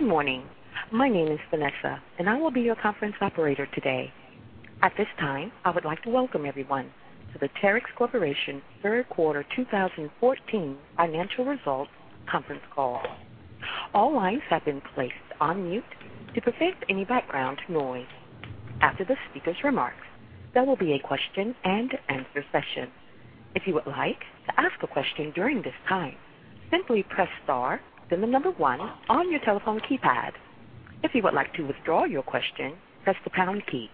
Good morning. My name is Vanessa, and I will be your conference operator today. At this time, I would like to welcome everyone to the Terex Corporation third quarter 2014 financial results conference call. All lines have been placed on mute to prevent any background noise. After the speaker's remarks, there will be a question-and-answer session. If you would like to ask a question during this time, simply press star, then the number 1 on your telephone keypad. If you would like to withdraw your question, press the pound key.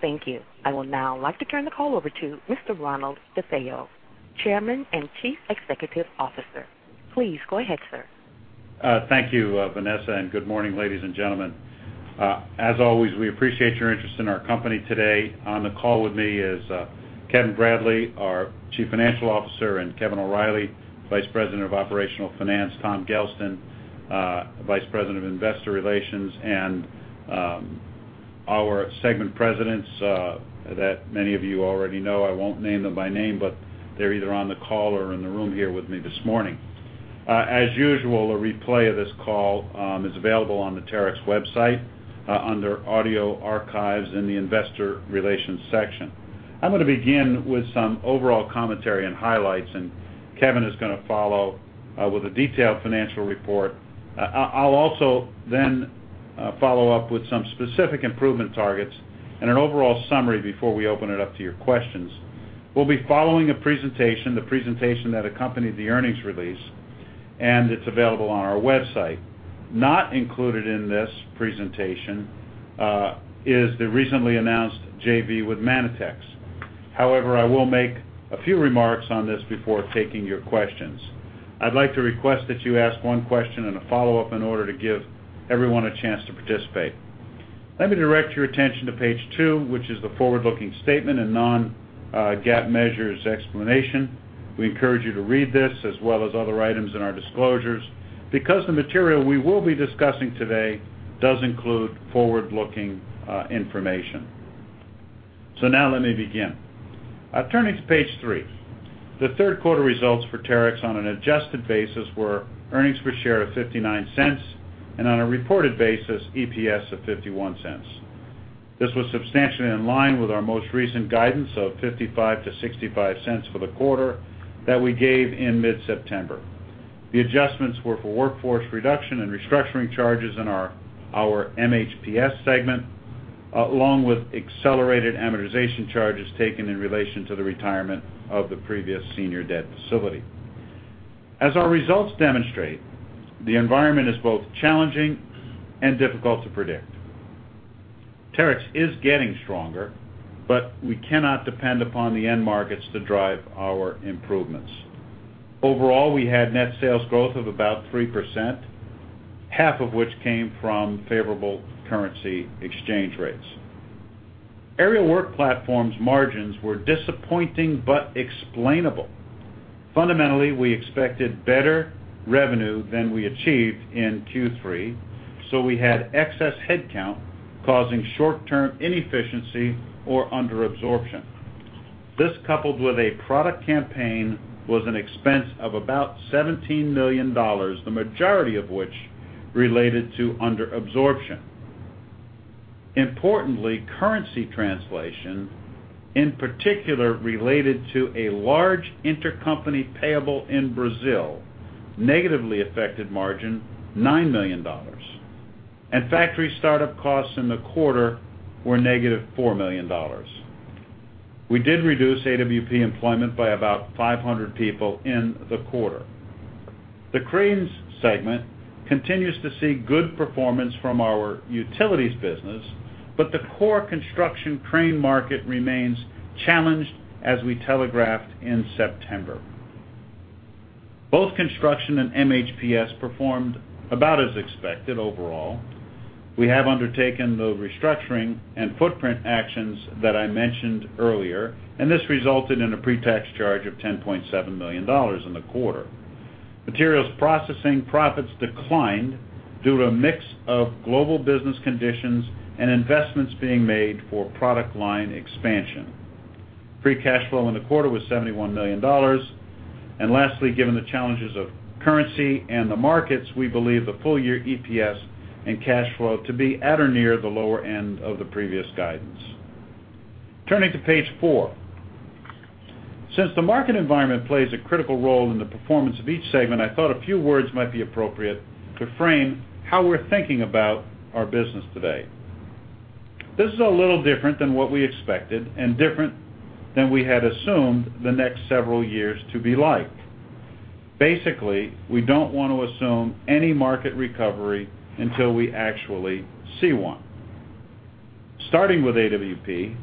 Thank you. I would now like to turn the call over to Mr. Ronald DeFeo, Chairman and Chief Executive Officer. Please go ahead, sir. Thank you, Vanessa. Good morning, ladies and gentlemen. As always, we appreciate your interest in our company today. On the call with me is Kevin Bradley, our Chief Financial Officer, Kevin O'Reilly, Vice President of Operational Finance, Tom Gelston, Vice President of Investor Relations, and our segment presidents that many of you already know. I won't name them by name, but they're either on the call or in the room here with me this morning. As usual, a replay of this call is available on the Terex website under Audio Archives in the Investor Relations section. I'm going to begin with some overall commentary and highlights. Kevin is going to follow with a detailed financial report. I'll also follow up with some specific improvement targets and an overall summary before we open it up to your questions. We'll be following a presentation, the presentation that accompanied the earnings release. It's available on our website. Not included in this presentation is the recently announced JV with Manitex. I will make a few remarks on this before taking your questions. I'd like to request that you ask 1 question and a follow-up in order to give everyone a chance to participate. Let me direct your attention to page 2, which is the forward-looking statement and non-GAAP measures explanation. We encourage you to read this as well as other items in our disclosures because the material we will be discussing today does include forward-looking information. Now let me begin. Turning to page 3. The third quarter results for Terex on an adjusted basis were EPS of $0.59 and on a reported basis, EPS of $0.51. This was substantially in line with our most recent guidance of $0.55-$0.65 for the quarter that we gave in mid-September. The adjustments were for workforce reduction and restructuring charges in our MHPS segment, along with accelerated amortization charges taken in relation to the retirement of the previous senior debt facility. As our results demonstrate, the environment is both challenging and difficult to predict. Terex is getting stronger, we cannot depend upon the end markets to drive our improvements. Overall, we had net sales growth of about 3%, half of which came from favorable currency exchange rates. Aerial Work Platforms margins were disappointing but explainable. Fundamentally, we expected better revenue than we achieved in Q3. We had excess headcount causing short-term inefficiency or under-absorption. This, coupled with a product campaign, was an expense of about $17 million, the majority of which related to under-absorption. Importantly, currency translation, in particular related to a large intercompany payable in Brazil, negatively affected margin $9 million. Factory startup costs in the quarter were negative $4 million. We did reduce AWP employment by about 500 people in the quarter. The cranes segment continues to see good performance from our utilities business, but the core construction crane market remains challenged as we telegraphed in September. Both construction and MHPS performed about as expected overall. We have undertaken the restructuring and footprint actions that I mentioned earlier, and this resulted in a pre-tax charge of $10.7 million in the quarter. Materials Processing profits declined due to a mix of global business conditions and investments being made for product line expansion. Free cash flow in the quarter was $71 million. Lastly, given the challenges of currency and the markets, we believe the full-year EPS and cash flow to be at or near the lower end of the previous guidance. Turning to page 4. Since the market environment plays a critical role in the performance of each segment, I thought a few words might be appropriate to frame how we're thinking about our business today. This is a little different than what we expected and different than we had assumed the next several years to be like. Basically, we don't want to assume any market recovery until we actually see one. Starting with AWP,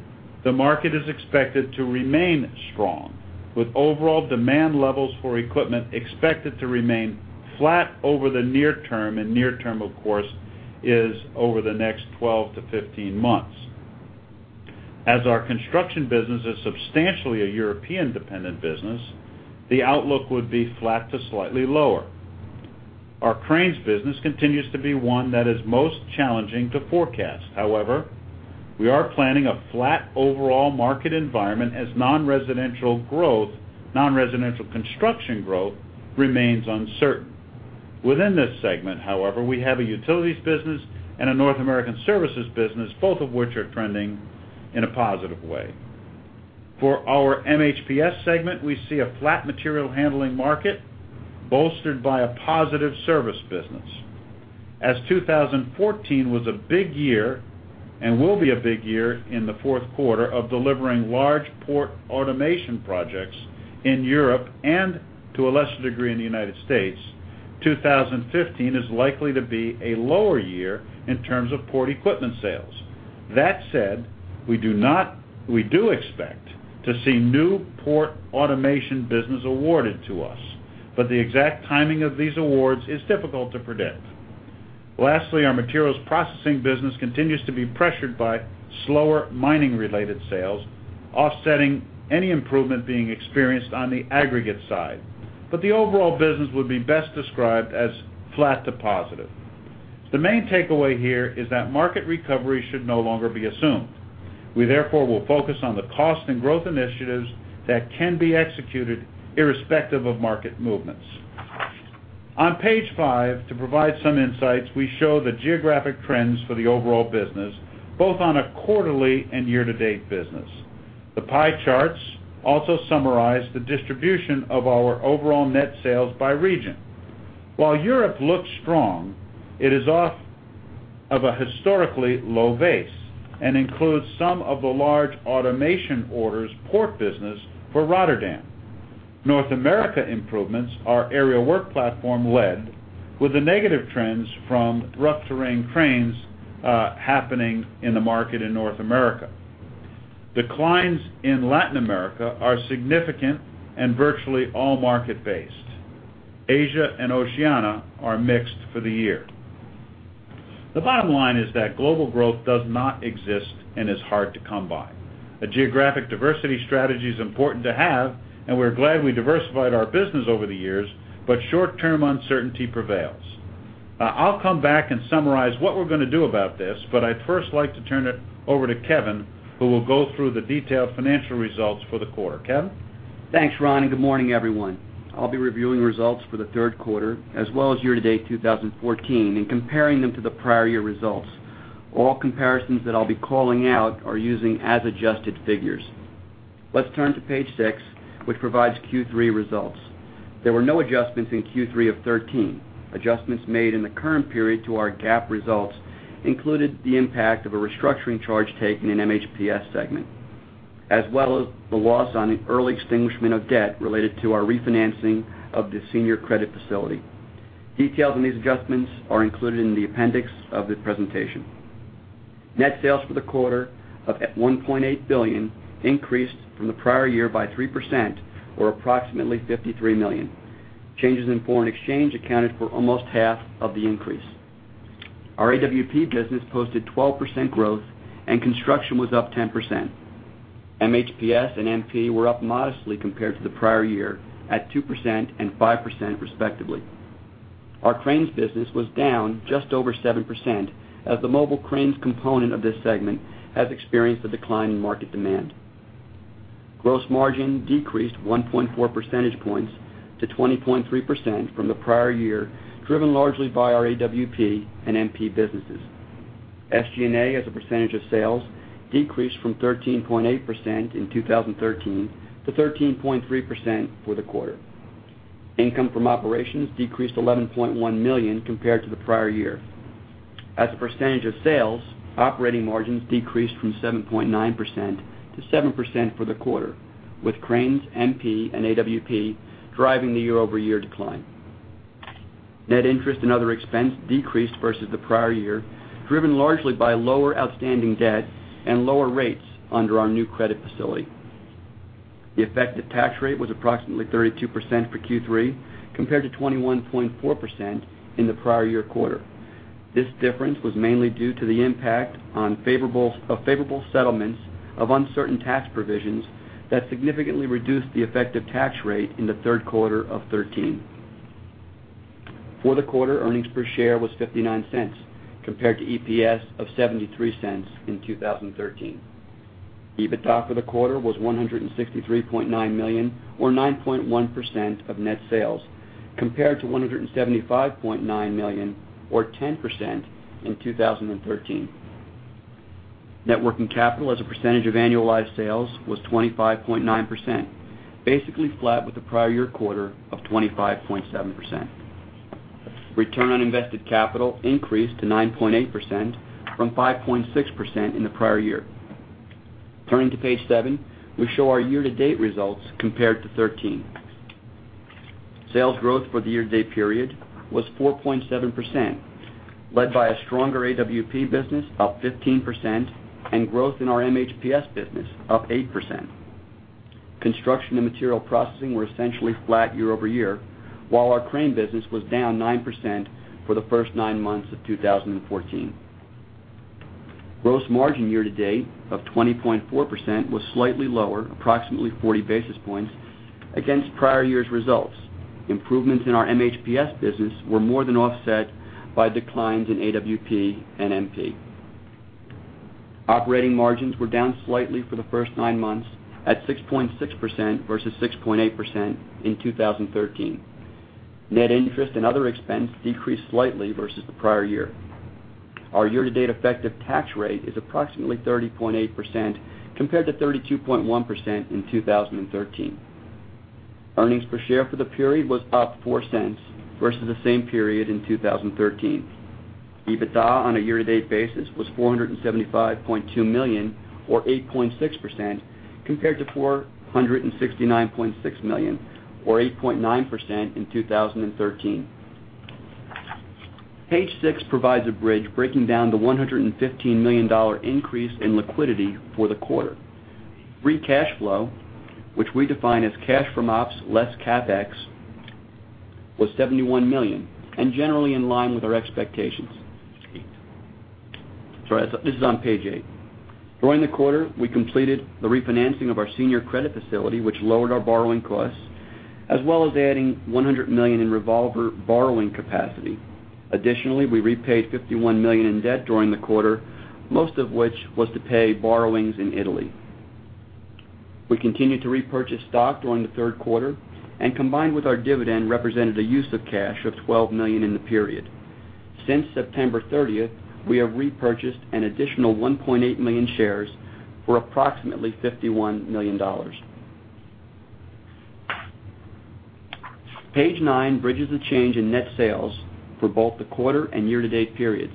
the market is expected to remain strong, with overall demand levels for equipment expected to remain flat over the near term, and near term, of course, is over the next 12 to 15 months. As our construction business is substantially a European-dependent business, the outlook would be flat to slightly lower. Our cranes business continues to be one that is most challenging to forecast. However, we are planning a flat overall market environment as non-residential construction growth remains uncertain. Within this segment, however, we have a utilities business and a North American services business, both of which are trending in a positive way. For our MHPS segment, we see a flat material handling market bolstered by a positive service business. As 2014 was a big year and will be a big year in the fourth quarter of delivering large port automation projects in Europe and, to a lesser degree, in the United States, 2015 is likely to be a lower year in terms of port equipment sales. That said, we do expect to see new port automation business awarded to us, but the exact timing of these awards is difficult to predict. Lastly, our Materials Processing business continues to be pressured by slower mining-related sales, offsetting any improvement being experienced on the aggregate side. The overall business would be best described as flat to positive. The main takeaway here is that market recovery should no longer be assumed. We therefore will focus on the cost and growth initiatives that can be executed irrespective of market movements. On page five, to provide some insights, we show the geographic trends for the overall business, both on a quarterly and year-to-date business. The pie charts also summarize the distribution of our overall net sales by region. While Europe looks strong, it is off of a historically low base and includes some of the large automation orders port business for Rotterdam. North America improvements are aerial work platform-led, with the negative trends from rough terrain cranes happening in the market in North America. Declines in Latin America are significant and virtually all market-based. Asia and Oceania are mixed for the year. The bottom line is that global growth does not exist and is hard to come by. A geographic diversity strategy is important to have, and we're glad we diversified our business over the years, but short-term uncertainty prevails. I'll come back and summarize what we're going to do about this, but I'd first like to turn it over to Kevin, who will go through the detailed financial results for the quarter. Kevin? Thanks, Ron, and good morning, everyone. I'll be reviewing results for the third quarter as well as year-to-date 2014 and comparing them to the prior year results. All comparisons that I'll be calling out are using as-adjusted figures. Let's turn to page six, which provides Q3 results. There were no adjustments in Q3 of 2013. Adjustments made in the current period to our GAAP results included the impact of a restructuring charge taken in MHPS segment, as well as the loss on the early extinguishment of debt related to our refinancing of the senior credit facility. Details on these adjustments are included in the appendix of the presentation. Net sales for the quarter of $1.8 billion increased from the prior year by 3%, or approximately $53 million. Changes in foreign exchange accounted for almost half of the increase. Our AWP business posted 12% growth and construction was up 10%. MHPS and MP were up modestly compared to the prior year, at 2% and 5% respectively. Our cranes business was down just over 7%, as the mobile cranes component of this segment has experienced a decline in market demand. Gross margin decreased 1.4 percentage points to 20.3% from the prior year, driven largely by our AWP and MP businesses. SG&A, as a percentage of sales, decreased from 13.8% in 2013 to 13.3% for the quarter. Income from operations decreased $11.1 million compared to the prior year. As a percentage of sales, operating margins decreased from 7.9% to 7% for the quarter, with cranes, MP, and AWP driving the year-over-year decline. Net interest and other expense decreased versus the prior year, driven largely by lower outstanding debt and lower rates under our new credit facility. The effective tax rate was approximately 32% for Q3, compared to 21.4% in the prior year quarter. This difference was mainly due to the impact of favorable settlements of uncertain tax provisions that significantly reduced the effective tax rate in the third quarter of 2013. For the quarter, earnings per share was $0.59 compared to EPS of $0.73 in 2013. EBITDA for the quarter was $163.9 million or 9.1% of net sales, compared to $175.9 million or 10% in 2013. Net working capital as a percentage of annualized sales was 25.9%, basically flat with the prior year quarter of 25.7%. Return on invested capital increased to 9.8% from 5.6% in the prior year. Turning to page seven, we show our year-to-date results compared to 2013. Sales growth for the year-to-date period was 4.7%, led by a stronger AWP business, up 15%, and growth in our MHPS business, up 8%. Construction and Materials Processing were essentially flat year-over-year, while our Cranes business was down 9% for the first nine months of 2014. Gross margin year-to-date of 20.4% was slightly lower, approximately 40 basis points against prior year's results. Improvements in our MHPS business were more than offset by declines in AWP and MP. Operating margins were down slightly for the first nine months at 6.6% versus 6.8% in 2013. Net interest and other expense decreased slightly versus the prior year. Our year-to-date effective tax rate is approximately 30.8% compared to 32.1% in 2013. Earnings per share for the period was up $0.04 versus the same period in 2013. EBITDA on a year-to-date basis was $475.2 million or 8.6% compared to $469.6 million or 8.9% in 2013. Page six provides a bridge breaking down the $115 million increase in liquidity for the quarter. Free cash flow, which we define as cash from ops less CapEx, was $71 million and generally in line with our expectations. Sorry, this is on page eight. During the quarter, we completed the refinancing of our senior credit facility, which lowered our borrowing costs, as well as adding $100 million in revolver borrowing capacity. Additionally, we repaid $51 million in debt during the quarter, most of which was to pay borrowings in Italy. We continued to repurchase stock during the third quarter, and combined with our dividend, represented a use of cash of $12 million in the period. Since September 30th, we have repurchased an additional 1.8 million shares for approximately $51 million. Page nine bridges the change in net sales for both the quarter and year-to-date periods.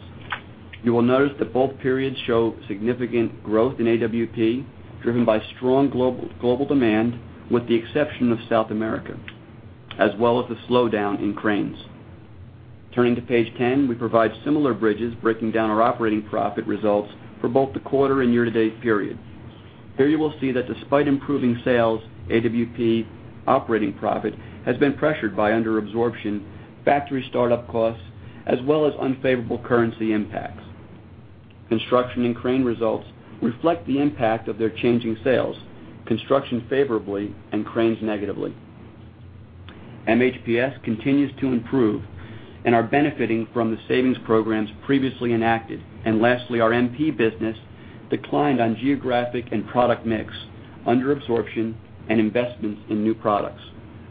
You will notice that both periods show significant growth in AWP driven by strong global demand, with the exception of South America, as well as the slowdown in Cranes. Turning to page 10, we provide similar bridges breaking down our operating profit results for both the quarter and year-to-date period. Here you will see that despite improving sales, AWP operating profit has been pressured by under-absorption, factory startup costs, as well as unfavorable currency impacts. Construction and Cranes results reflect the impact of their changing sales, Construction favorably and Cranes negatively. MHPS continues to improve and are benefiting from the savings programs previously enacted. Lastly, our MP business declined on geographic and product mix, under-absorption, and investments in new products.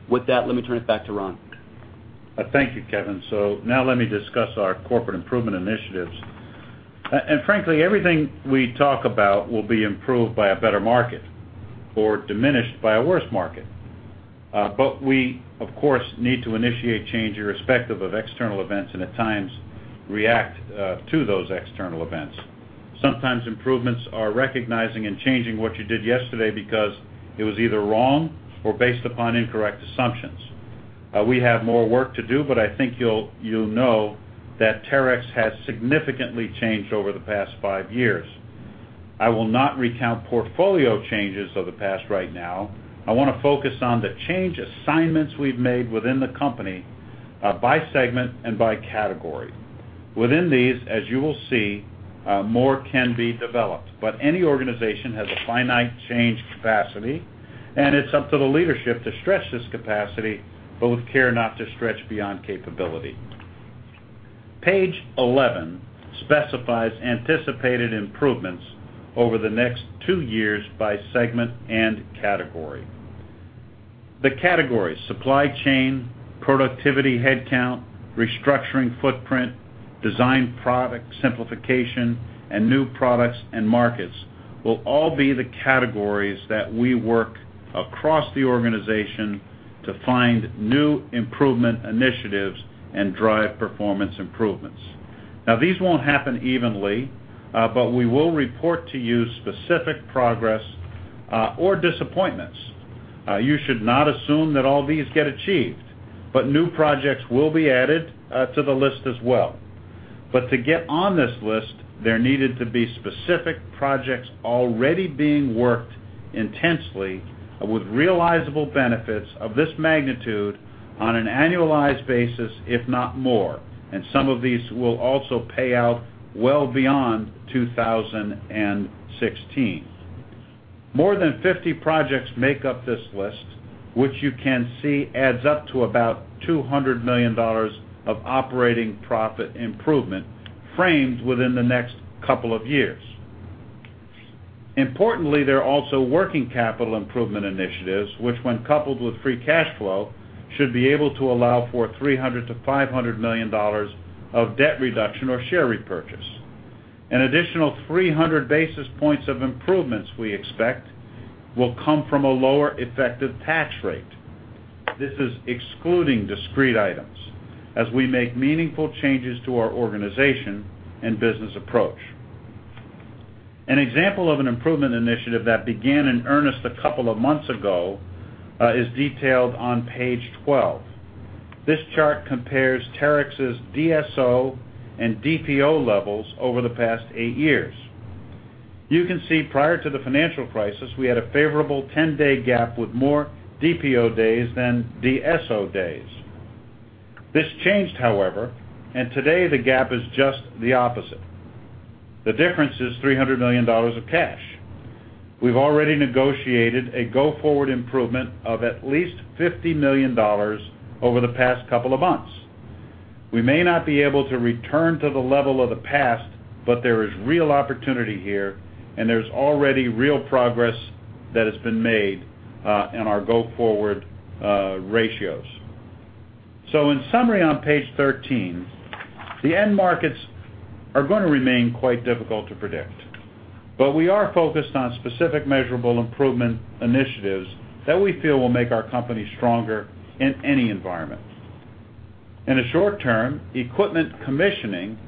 With that, let me turn it back to Ron. Thank you, Kevin. Now let me discuss our corporate improvement initiatives. Frankly, everything we talk about will be improved by a better market or diminished by a worse market. We, of course, need to initiate change irrespective of external events and at times react to those external events. Sometimes improvements are recognizing and changing what you did yesterday because it was either wrong or based upon incorrect assumptions. We have more work to do, but I think you'll know that Terex has significantly changed over the past five years. I will not recount portfolio changes of the past right now. I want to focus on the change assignments we've made within the company by segment and by category. Within these, as you will see, more can be developed. Any organization has a finite change capacity, and it's up to the leadership to stretch this capacity, but with care not to stretch beyond capability. Page 11 specifies anticipated improvements over the next two years by segment and category. The categories, supply chain, productivity headcount, restructuring footprint, design product simplification, and new products and markets will all be the categories that we work across the organization to find new improvement initiatives and drive performance improvements. These won't happen evenly, but we will report to you specific progress or disappointments. You should not assume that all these get achieved, but new projects will be added to the list as well. To get on this list, there needed to be specific projects already being worked intensely with realizable benefits of this magnitude on an annualized basis, if not more. Some of these will also pay out well beyond 2016. More than 50 projects make up this list, which you can see adds up to about $200 million of operating profit improvement framed within the next couple of years. Importantly, there are also working capital improvement initiatives, which when coupled with free cash flow, should be able to allow for $300 million-$500 million of debt reduction or share repurchase. An additional 300 basis points of improvements we expect will come from a lower effective tax rate. This is excluding discrete items as we make meaningful changes to our organization and business approach. An example of an improvement initiative that began in earnest a couple of months ago is detailed on page 12. This chart compares Terex's DSO and DPO levels over the past eight years. You can see prior to the financial crisis, we had a favorable 10-day gap with more DPO days than DSO days. This changed, however, and today the gap is just the opposite. The difference is $300 million of cash. We've already negotiated a go-forward improvement of at least $50 million over the past couple of months. We may not be able to return to the level of the past, but there is real opportunity here, and there's already real progress that has been made in our go-forward ratios. In summary, on page 13, the end markets are going to remain quite difficult to predict. We are focused on specific measurable improvement initiatives that we feel will make our company stronger in any environment. In the short term, equipment commissioning,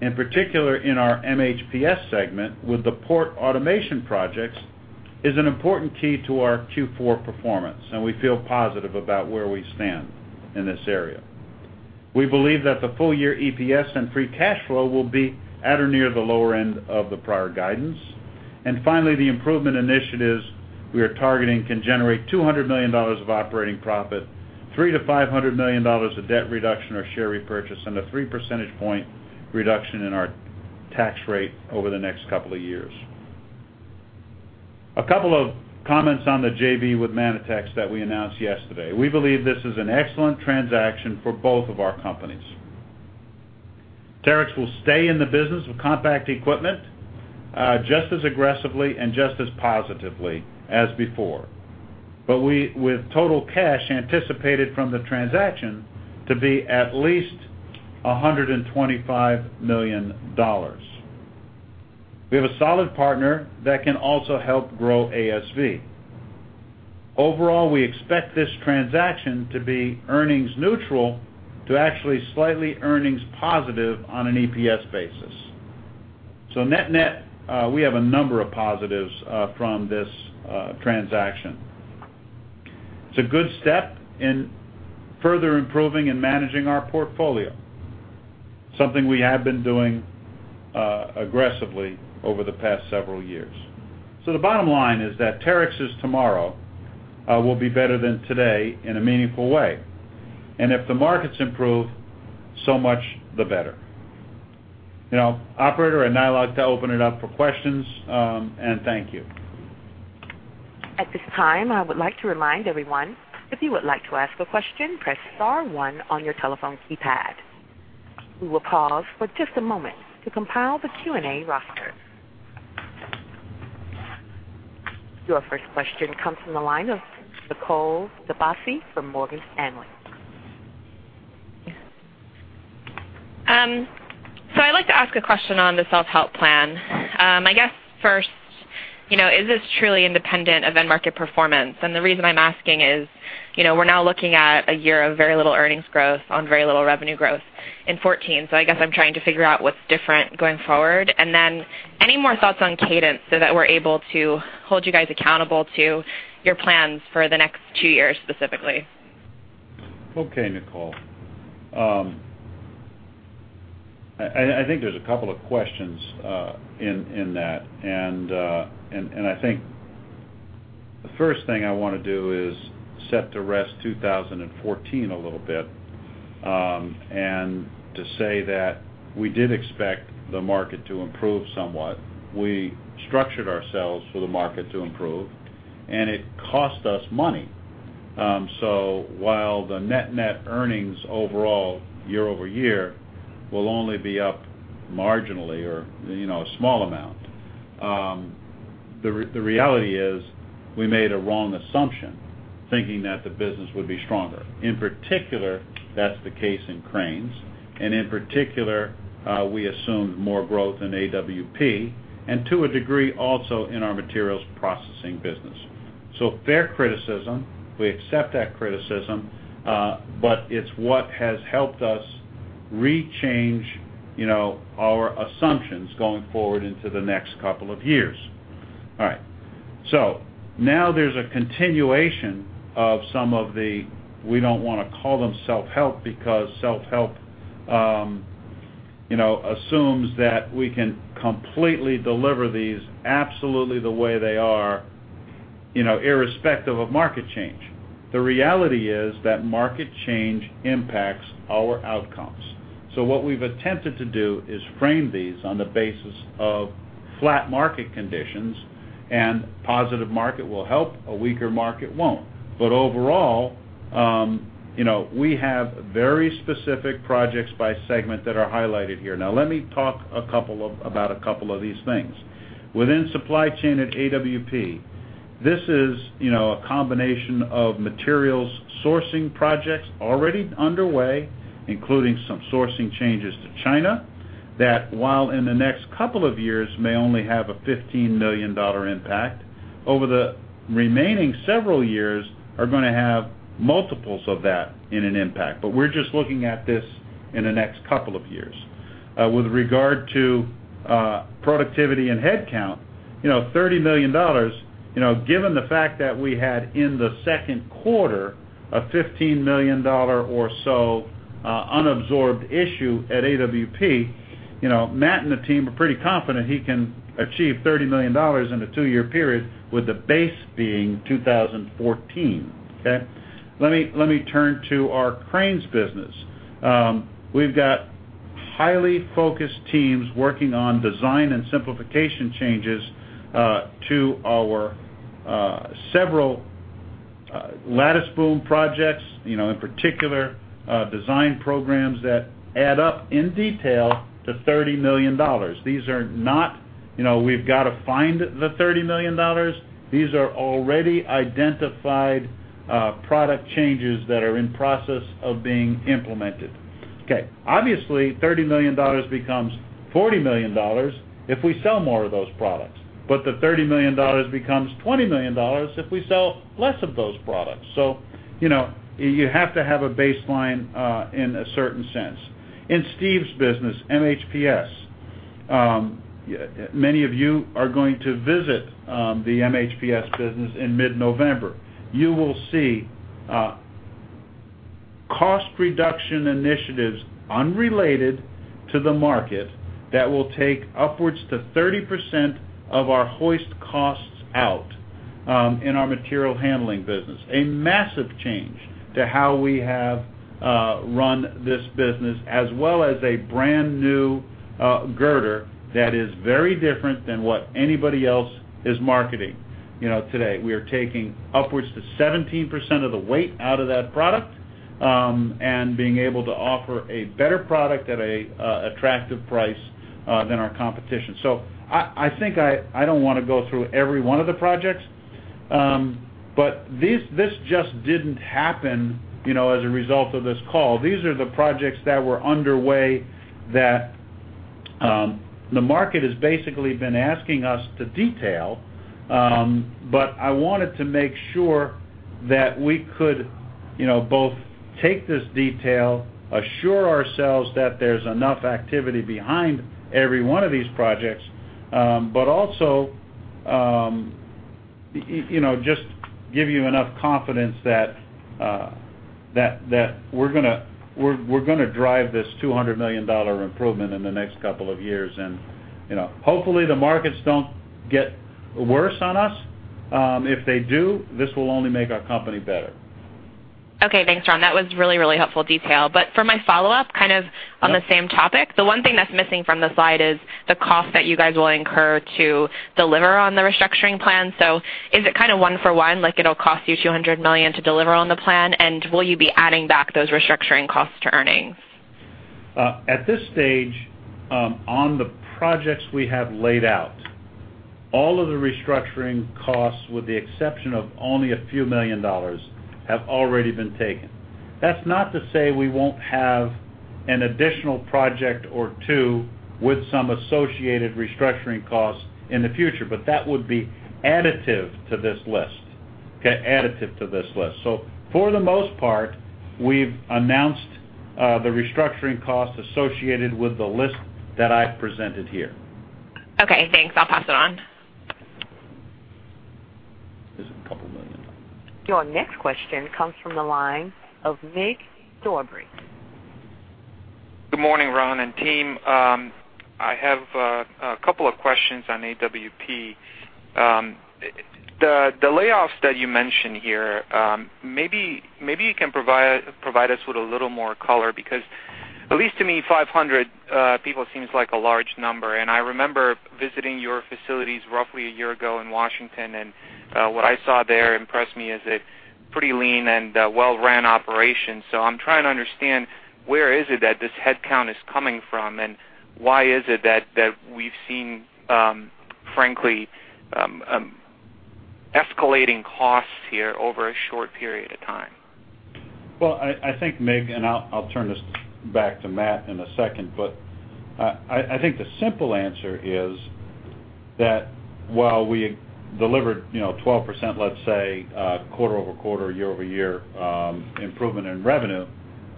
in particular in our MHPS segment with the port automation projects, is an important key to our Q4 performance, and we feel positive about where we stand in this area. We believe that the full-year EPS and free cash flow will be at or near the lower end of the prior guidance. Finally, the improvement initiatives we are targeting can generate $200 million of operating profit, $300 million-$500 million of debt reduction or share repurchase, and a three percentage point reduction in our tax rate over the next couple of years. A couple of comments on the JV with Manitex that we announced yesterday. We believe this is an excellent transaction for both of our companies. Terex will stay in the business of compact equipment just as aggressively and just as positively as before. With total cash anticipated from the transaction to be at least $125 million. We have a solid partner that can also help grow ASV. Overall, we expect this transaction to be earnings neutral to actually slightly earnings positive on an EPS basis. Net-net, we have a number of positives from this transaction. It's a good step in further improving and managing our portfolio, something we have been doing aggressively over the past several years. The bottom line is that Terex's tomorrow will be better than today in a meaningful way. If the markets improve, so much the better. Now, operator, I'd now like to open it up for questions, and thank you. At this time, I would like to remind everyone, if you would like to ask a question, press star one on your telephone keypad. We will pause for just a moment to compile the Q&A roster. Your first question comes from the line of Nicole DeBlase from Morgan Stanley. I'd like to ask a question on the self-help plan. I guess first, is this truly independent of end market performance? The reason I'm asking is, we're now looking at a year of very little earnings growth on very little revenue growth in 2014. I guess I'm trying to figure out what's different going forward. Then any more thoughts on cadence so that we're able to hold you guys accountable to your plans for the next two years specifically? Okay, Nicole. I think there's a couple of questions in that. I think the first thing I want to do is set to rest 2014 a little bit. To say that we did expect the market to improve somewhat. We structured ourselves for the market to improve, and it cost us money. While the net earnings overall year-over-year will only be up marginally or a small amount, the reality is we made a wrong assumption thinking that the business would be stronger. In particular, that's the case in Cranes. In particular, we assumed more growth in AWP, and to a degree, also in our Materials Processing business. Fair criticism, we accept that criticism, but it's what has helped us re-change our assumptions going forward into the next couple of years. All right. Now there's a continuation of some of the, we don't want to call them self-help because self-help assumes that we can completely deliver these absolutely the way they are, irrespective of market change. The reality is that market change impacts our outcomes. What we've attempted to do is frame these on the basis of flat market conditions, and a positive market will help, a weaker market won't. Overall, we have very specific projects by segment that are highlighted here. Let me talk about a couple of these things. Within supply chain at AWP, this is a combination of materials sourcing projects already underway, including some sourcing changes to China, that while in the next couple of years may only have a $15 million impact, over the remaining several years are going to have multiples of that in an impact. We're just looking at this in the next couple of years. With regard to productivity and headcount, $30 million, given the fact that we had in the second quarter a $15 million or so unabsorbed issue at AWP, Matt and the team are pretty confident he can achieve $30 million in a two-year period with the base being 2014, okay. Let me turn to our Cranes business. We've got highly focused teams working on design and simplification changes to our several lattice boom projects, in particular design programs that add up in detail to $30 million. These are not, we've got to find the $30 million. These are already identified product changes that are in process of being implemented. Okay. Obviously, $30 million becomes $40 million if we sell more of those products, but the $30 million becomes $20 million if we sell less of those products. You have to have a baseline in a certain sense. In Steve's business, MHPS, many of you are going to visit the MHPS business in mid-November. You will see cost reduction initiatives unrelated to the market that will take upwards to 30% of our hoist costs out in our material handling business. A massive change to how we have run this business, as well as a brand-new girder that is very different than what anybody else is marketing today. We are taking upwards to 17% of the weight out of that product and being able to offer a better product at a attractive price than our competition. I think I don't want to go through every one of the projects, but this just didn't happen as a result of this call. These are the projects that were underway that the market has basically been asking us to detail. I wanted to make sure that we could both take this detail, assure ourselves that there's enough activity behind every one of these projects, but also just give you enough confidence that we're going to drive this $200 million improvement in the next couple of years. Hopefully, the markets don't get worse on us. If they do, this will only make our company better. Okay. Thanks, Ron. That was really helpful detail. For my follow-up, kind of on the same topic, the one thing that's missing from the slide is the cost that you guys will incur to deliver on the restructuring plan. Is it kind of one for one, like it'll cost you $200 million to deliver on the plan? Will you be adding back those restructuring costs to earnings? At this stage, on the projects we have laid out, all of the restructuring costs, with the exception of only a few million dollars, have already been taken. That's not to say we won't have an additional project or two with some associated restructuring costs in the future, but that would be additive to this list. Okay? Additive to this list. For the most part, we've announced the restructuring costs associated with the list that I've presented here. Okay, thanks. I'll pass it on. There's a couple million. Your next question comes from the line of Mig Dobre. Good morning, Ron and team. I have a couple of questions on AWP. The layoffs that you mentioned here, maybe you can provide us with a little more color, because at least to me, 500 people seems like a large number. I remember visiting your facilities roughly a year ago in Washington, and what I saw there impressed me as a pretty lean and well-run operation. I'm trying to understand where is it that this headcount is coming from, and why is it that we've seen, frankly, escalating costs here over a short period of time? Well, I think, Mig, I'll turn this back to Matt in a second, but I think the simple answer is that while we delivered 12%, let's say, quarter-over-quarter, year-over-year improvement in revenue,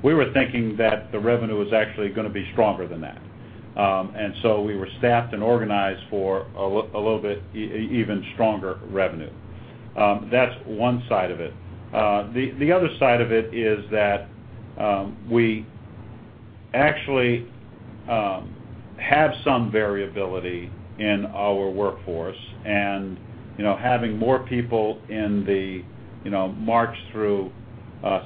we were thinking that the revenue was actually going to be stronger than that. We were staffed and organized for a little bit even stronger revenue. That's one side of it. The other side of it is that we actually have some variability in our workforce, and having more people in the March through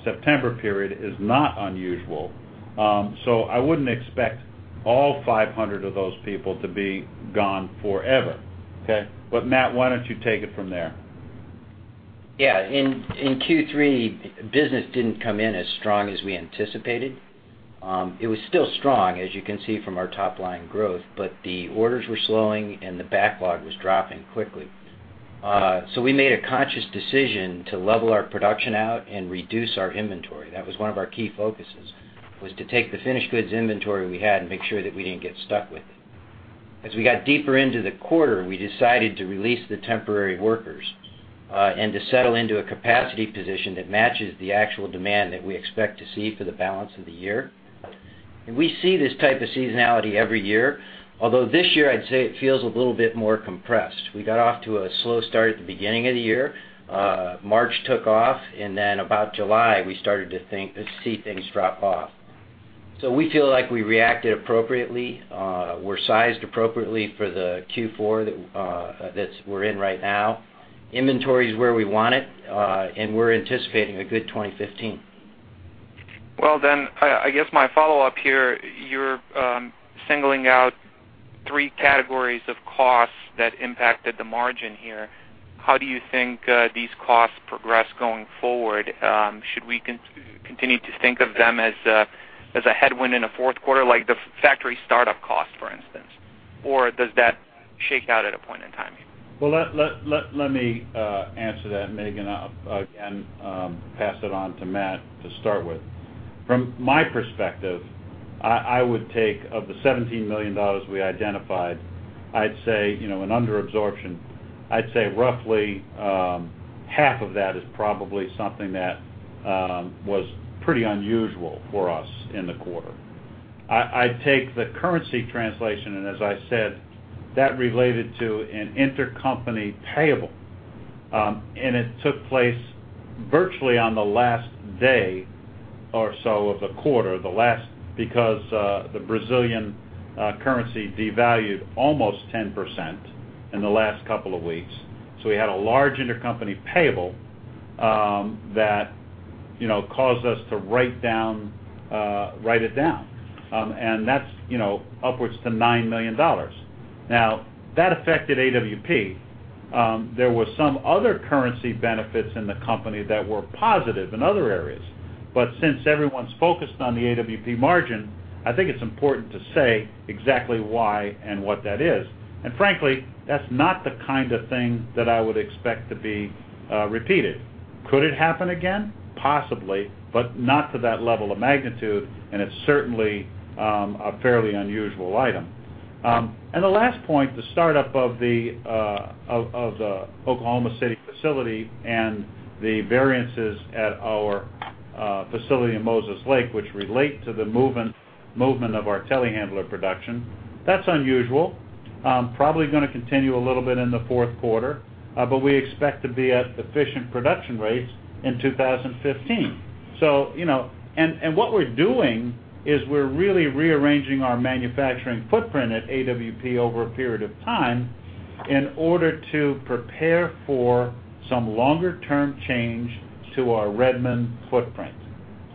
September period is not unusual. I wouldn't expect all 500 of those people to be gone forever. Okay? Matt, why don't you take it from there? Yeah. In Q3, business didn't come in as strong as we anticipated. It was still strong, as you can see from our top-line growth, but the orders were slowing, and the backlog was dropping quickly. We made a conscious decision to level our production out and reduce our inventory. That was one of our key focuses, was to take the finished goods inventory we had and make sure that we didn't get stuck with it. As we got deeper into the quarter, we decided to release the temporary workers and to settle into a capacity position that matches the actual demand that we expect to see for the balance of the year. We see this type of seasonality every year. Although this year, I'd say it feels a little bit more compressed. We got off to a slow start at the beginning of the year. March took off. About July, we started to see things drop off. We feel like we reacted appropriately. We're sized appropriately for the Q4 that we're in right now. Inventory is where we want it, and we're anticipating a good 2015. I guess my follow-up here, you're singling out three categories of costs that impacted the margin here. How do you think these costs progress going forward? Should we continue to think of them as a headwind in a fourth quarter, like the factory startup cost, for instance? Or does that shake out at a point in time? Let me answer that, Mig. I'll again pass it on to Matt to start with. From my perspective, I would take, of the $17 million we identified, in under absorption, I'd say roughly half of that is probably something that was pretty unusual for us in the quarter. I take the currency translation, and as I said, that related to an intercompany payable. It took place virtually on the last day or so of the quarter, because the Brazilian currency devalued almost 10% in the last couple of weeks. We had a large intercompany payable that caused us to write it down. That's upwards to $9 million. That affected AWP. There were some other currency benefits in the company that were positive in other areas. Since everyone's focused on the AWP margin, I think it's important to say exactly why and what that is. Frankly, that's not the kind of thing that I would expect to be repeated. Could it happen again? Possibly, not to that level of magnitude, and it's certainly a fairly unusual item. The last point, the startup of the Oklahoma City facility and the variances at our facility in Moses Lake, which relate to the movement of our telehandler production, that's unusual. Probably going to continue a little bit in the fourth quarter. We expect to be at efficient production rates in 2015. What we're doing is we're really rearranging our manufacturing footprint at AWP over a period of time in order to prepare for some longer-term change to our Redmond footprint,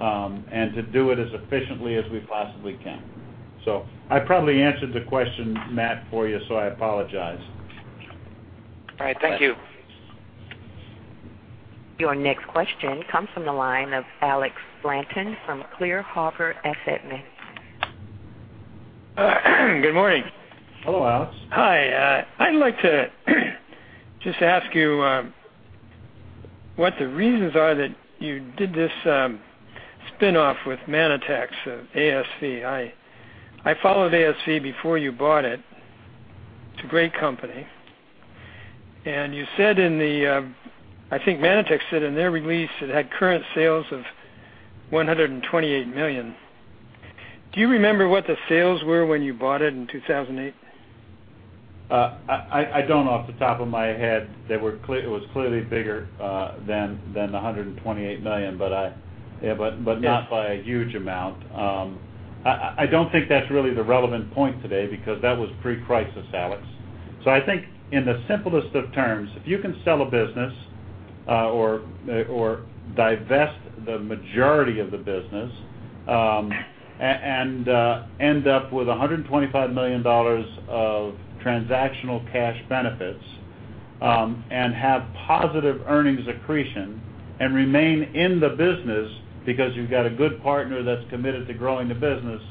and to do it as efficiently as we possibly can. I probably answered the question, Matt, for you, so I apologize. All right. Thank you. Your next question comes from the line of Alex Blanton from Clear Harbor Asset Management. Good morning. Hello, Alex. Hi. I'd like to just ask you what the reasons are that you did this spinoff with Manitex of ASV. I followed ASV before you bought it. It's a great company. I think Manitex said in their release it had current sales of $128 million. Do you remember what the sales were when you bought it in 2008? I don't know off the top of my head. It was clearly bigger than the $128 million, not by a huge amount. I don't think that's really the relevant point today because that was pre-crisis, Alex. I think in the simplest of terms, if you can sell a business or divest the majority of the business, and end up with $125 million of transactional cash benefits, and have positive earnings accretion, and remain in the business because you've got a good partner that's committed to growing the business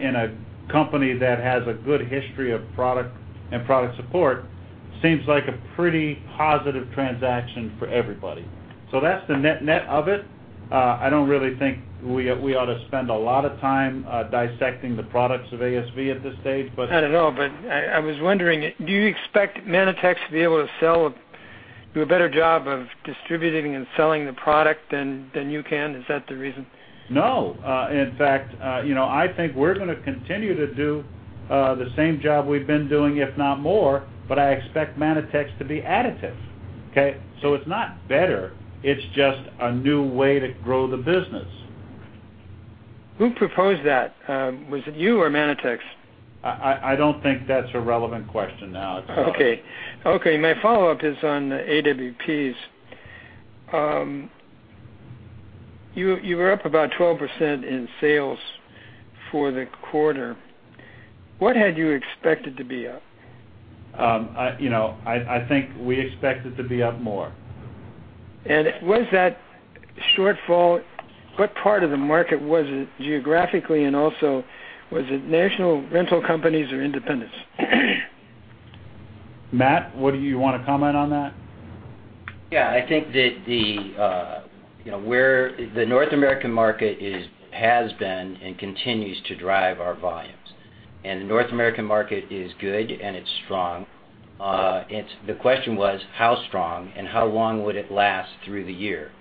in a company that has a good history of product and product support, seems like a pretty positive transaction for everybody. That's the net-net of it. I don't really think we ought to spend a lot of time dissecting the products of ASV at this stage. Not at all. I was wondering, do you expect Manitex to be able to do a better job of distributing and selling the product than you can? Is that the reason? No. In fact, I think we're going to continue to do the same job we've been doing, if not more, but I expect Manitex to be additive. Okay? It's not better. It's just a new way to grow the business. Who proposed that? Was it you or Manitex? I don't think that's a relevant question, Alex. Okay. My follow-up is on the AWPs. You were up about 12% in sales for the quarter. What had you expected to be up? I think we expected to be up more. Was that shortfall, what part of the market was it geographically, and also was it national rental companies or independents? Matt, what do you want to comment on that? Yeah, I think that the North American market has been and continues to drive our volumes, and the North American market is good and it's strong. The question was how strong and how long would it last through the year?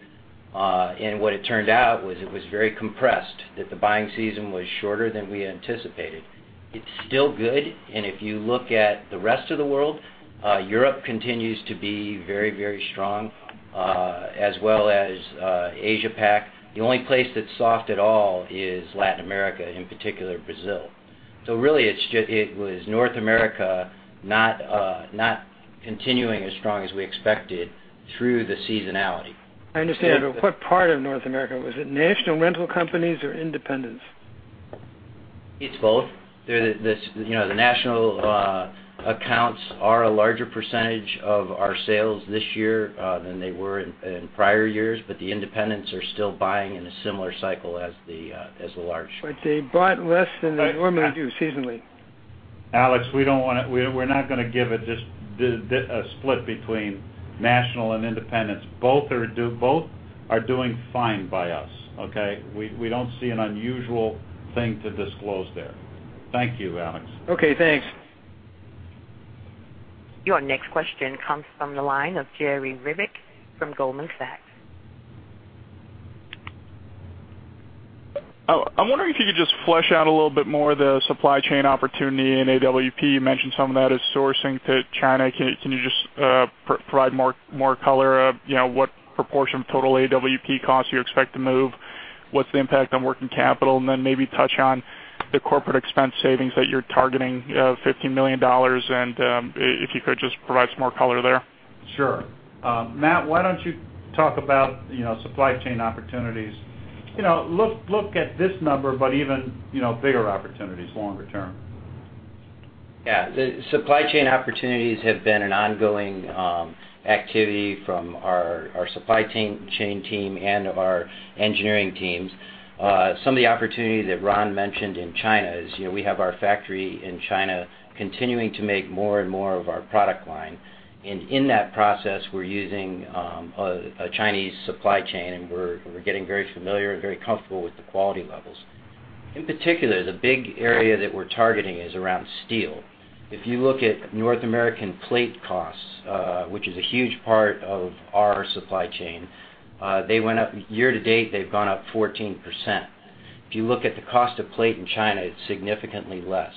What it turned out was it was very compressed, that the buying season was shorter than we anticipated. It's still good, and if you look at the rest of the world, Europe continues to be very strong, as well as Asia-Pac. The only place that's soft at all is Latin America, in particular Brazil. Really, it was North America not continuing as strong as we expected through the seasonality. I understand. What part of North America? Was it national rental companies or independents? It's both. The national accounts are a larger percentage of our sales this year than they were in prior years. The independents are still buying in a similar cycle as the large. They bought less than they normally do seasonally. Alex, we're not going to give a split between national and independents. Both are doing fine by us, okay? We don't see an unusual thing to disclose there. Thank you, Alex. Okay, thanks. Your next question comes from the line of Jerry Revich from Goldman Sachs. I'm wondering if you could just flesh out a little bit more the supply chain opportunity in AWP. You mentioned some of that is sourcing to China. Can you just provide more color of what proportion of total AWP costs you expect to move? What's the impact on working capital? Then maybe touch on the corporate expense savings that you're targeting, $15 million, and if you could just provide some more color there. Sure. Matt, why don't you talk about supply chain opportunities? Look at this number, but even bigger opportunities longer term. Yeah. The supply chain opportunities have been an ongoing activity from our supply chain team and of our engineering teams. Some of the opportunities that Ron mentioned in China is, we have our factory in China continuing to make more and more of our product line. In that process, we're using a Chinese supply chain, and we're getting very familiar and very comfortable with the quality levels. In particular, the big area that we're targeting is around steel. If you look at North American plate costs, which is a huge part of our supply chain, year-to-date, they've gone up 14%. If you look at the cost of plate in China, it's significantly less.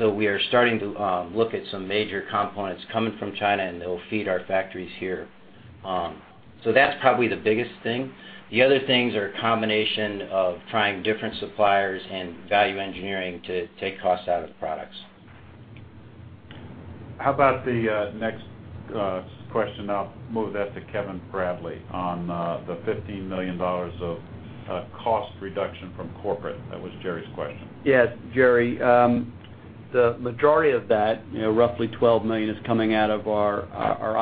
We are starting to look at some major components coming from China, and that will feed our factories here. That's probably the biggest thing. The other things are a combination of trying different suppliers and value engineering to take costs out of the products. The next question, I'll move that to Kevin Bradley on the $15 million of cost reduction from corporate. That was Jerry's question. Yes, Jerry. The majority of that, roughly $12 million, is coming out of our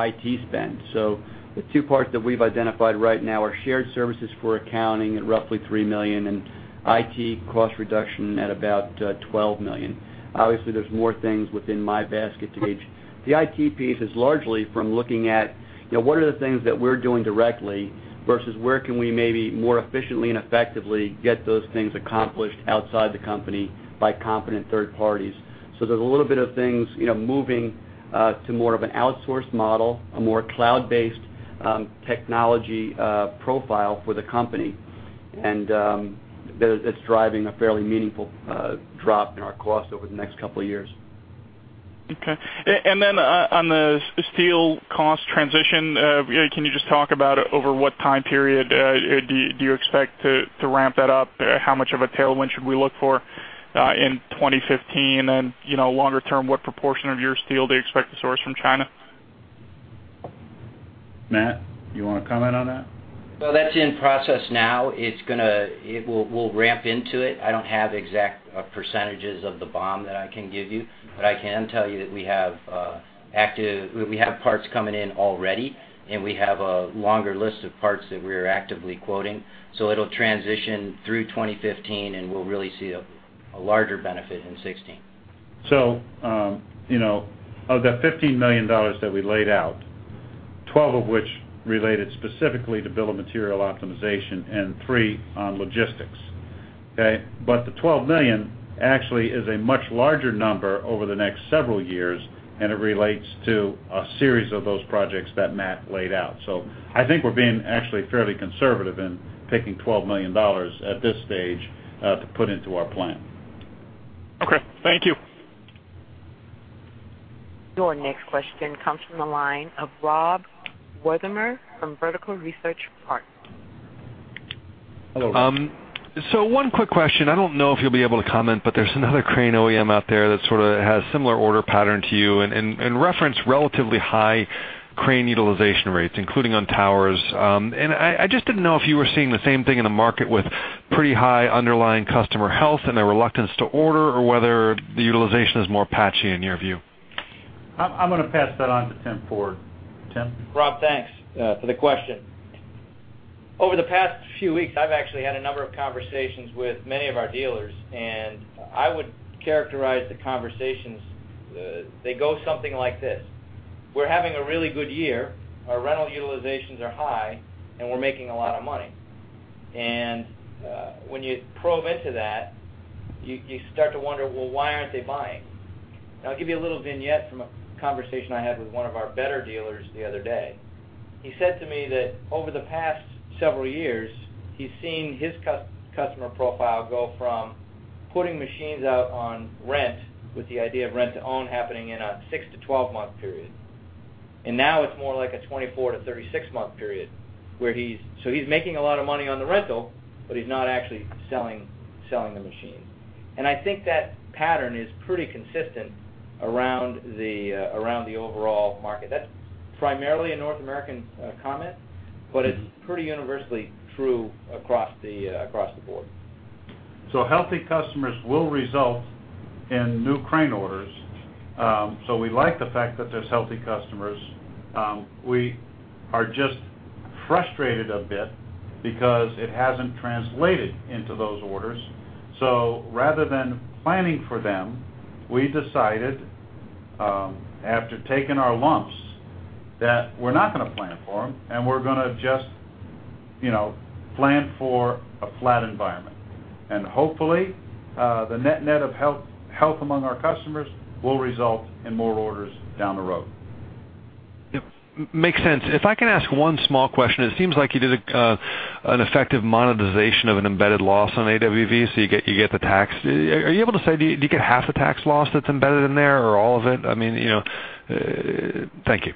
IT spend. The two parts that we've identified right now are shared services for accounting at roughly $3 million and IT cost reduction at about $12 million. Obviously, there's more things within my basket to reach. The IT piece is largely from looking at what are the things that we're doing directly versus where can we maybe more efficiently and effectively get those things accomplished outside the company by competent third parties. There's a little bit of things moving to more of an outsourced model, a more cloud-based technology profile for the company. It's driving a fairly meaningful drop in our cost over the next couple of years. Okay. Then on the steel cost transition, can you just talk about over what time period do you expect to ramp that up? How much of a tailwind should we look for in 2015? Longer term, what proportion of your steel do you expect to source from China? Matt, you want to comment on that? Well, that's in process now. We'll ramp into it. I don't have exact percentages of the BOM that I can give you, but I can tell you that we have parts coming in already, and we have a longer list of parts that we're actively quoting. It'll transition through 2015, and we'll really see a larger benefit in 2016. Of the $15 million that we laid out, $12 of which related specifically to bill of material optimization and $3 on logistics, okay. The $12 million actually is a much larger number over the next several years, and it relates to a series of those projects that Matt laid out. I think we're being actually fairly conservative in taking $12 million at this stage to put into our plan. Okay. Thank you. Your next question comes from the line of Rob Wertheimer from Vertical Research Partners. Hello, Rob. One quick question. I don't know if you'll be able to comment, but there's another crane OEM out there that sort of has similar order pattern to you and reference relatively high crane utilization rates, including on towers. I just didn't know if you were seeing the same thing in the market with pretty high underlying customer health and a reluctance to order or whether the utilization is more patchy in your view. I'm going to pass that on to Tim Ford. Tim? Rob, thanks for the question. Over the past few weeks, I've actually had a number of conversations with many of our dealers. I would characterize the conversations, they go something like this: We're having a really good year, our rental utilizations are high, and we're making a lot of money. When you probe into that, you start to wonder, well, why aren't they buying? I'll give you a little vignette from a conversation I had with one of our better dealers the other day. He said to me that over the past several years, he's seen his customer profile go from putting machines out on rent with the idea of rent-to-own happening in a six to 12-month period. Now it's more like a 24 to 36-month period. He's making a lot of money on the rental, but he's not actually selling the machine. I think that pattern is pretty consistent around the overall market. That's primarily a North American comment, but it's pretty universally true across the board. Healthy customers will result in new crane orders. We like the fact that there's healthy customers. We are just frustrated a bit because it hasn't translated into those orders. Rather than planning for them, we decided, after taking our lumps, that we're not going to plan for them, and we're going to just plan for a flat environment. Hopefully, the net health among our customers will result in more orders down the road. It makes sense. If I can ask one small question, it seems like you did an effective monetization of an embedded loss on ASV, you get the tax. Are you able to say, do you get half the tax loss that's embedded in there or all of it? Thank you.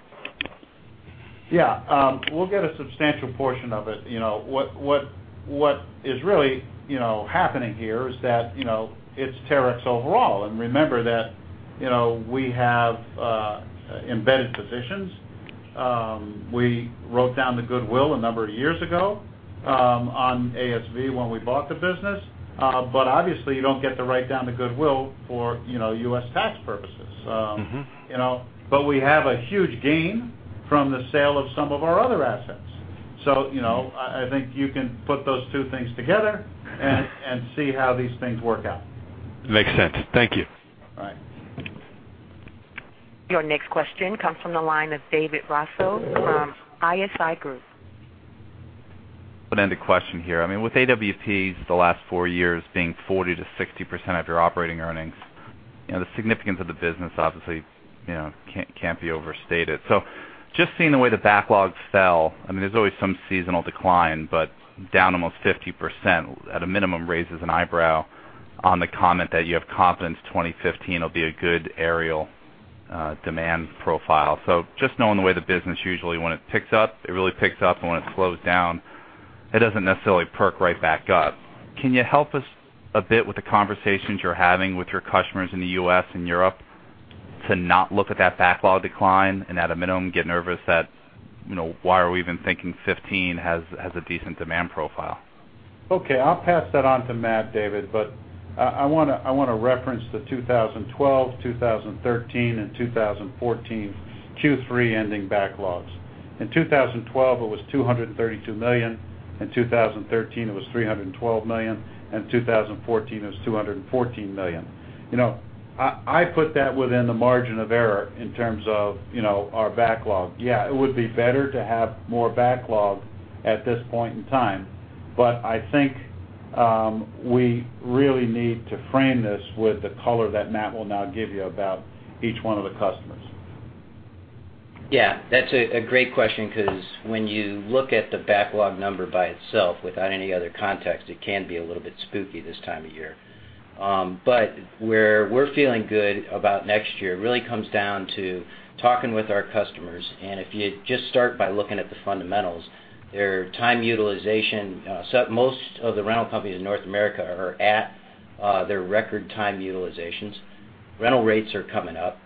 Yeah. We'll get a substantial portion of it. What is really happening here is that, it's Terex overall. Remember that, we have embedded positions. We wrote down the goodwill a number of years ago on ASV when we bought the business. Obviously, you don't get to write down the goodwill for U.S. tax purposes. We have a huge gain from the sale of some of our other assets. I think you can put those two things together and see how these things work out. Makes sense. Thank you. All right. Your next question comes from the line of David Raso from ISI Group. An open-ended question here. With AWPs, the last four years being 40%-60% of your operating earnings, the significance of the business obviously can't be overstated. Just seeing the way the backlogs fell, there's always some seasonal decline, but down almost 50%, at a minimum, raises an eyebrow on the comment that you have confidence 2015 will be a good aerial demand profile. Just knowing the way the business usually when it picks up, it really picks up, and when it slows down, it doesn't necessarily perk right back up. Can you help us a bit with the conversations you're having with your customers in the U.S. and Europe to not look at that backlog decline and, at a minimum, get nervous that why are we even thinking 2015 has a decent demand profile? I'll pass that on to Matt, David, but I want to reference the 2012, 2013, and 2014 Q3 ending backlogs. In 2012, it was $232 million. In 2013, it was $312 million, and 2014, it was $214 million. I put that within the margin of error in terms of our backlog. It would be better to have more backlog at this point in time, but I think we really need to frame this with the color that Matt will now give you about each one of the customers. That's a great question because when you look at the backlog number by itself, without any other context, it can be a little bit spooky this time of year. Where we're feeling good about next year really comes down to talking with our customers, and if you just start by looking at the fundamentals, their time utilization. Most of the rental companies in North America are at their record time utilizations. Rental rates are coming up.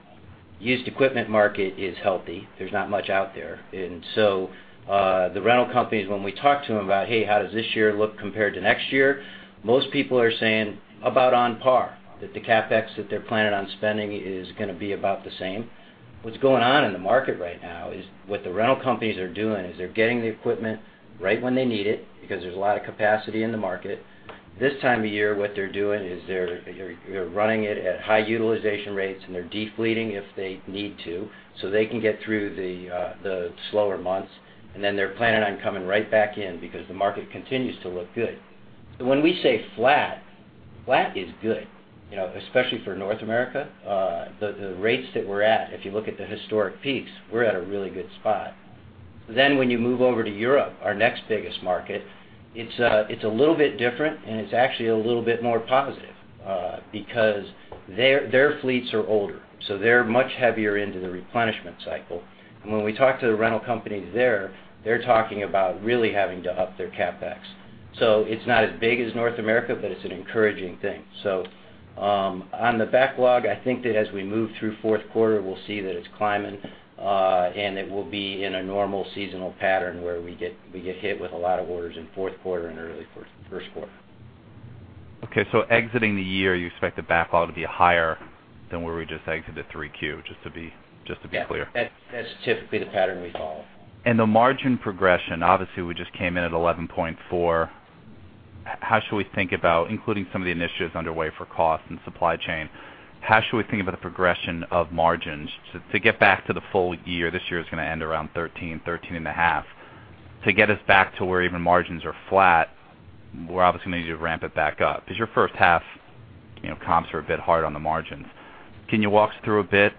Used equipment market is healthy. There's not much out there. The rental companies, when we talk to them about, "Hey, how does this year look compared to next year?" Most people are saying about on par, that the CapEx that they're planning on spending is going to be about the same. What's going on in the market right now is what the rental companies are doing is they're getting the equipment right when they need it because there's a lot of capacity in the market. This time of year, what they're doing is they're running it at high utilization rates, and they're de-fleeting if they need to so they can get through the slower months, and they're planning on coming right back in because the market continues to look good. When we say flat is good, especially for North America. The rates that we're at, if you look at the historic peaks, we're at a really good spot. When you move over to Europe, our next biggest market, it's a little bit different, and it's actually a little bit more positive because their fleets are older, so they're much heavier into the replenishment cycle. When we talk to the rental companies there, they're talking about really having to up their CapEx. It's not as big as North America, but it's an encouraging thing. On the backlog, I think that as we move through fourth quarter, we'll see that it's climbing, and it will be in a normal seasonal pattern where we get hit with a lot of orders in fourth quarter and early first quarter. Okay. Exiting the year, you expect the backlog to be higher than where we just exited 3Q, just to be clear. Yeah. That's typically the pattern we follow. The margin progression, obviously, we just came in at 11.4%. How should we think about, including some of the initiatives underway for cost and supply chain, how should we think about the progression of margins? To get back to the full year, this year is going to end around 13%, 13.5%. To get us back to where even margins are flat, we're obviously going to need to ramp it back up, because your first-half comps are a bit hard on the margins. Can you walk us through a bit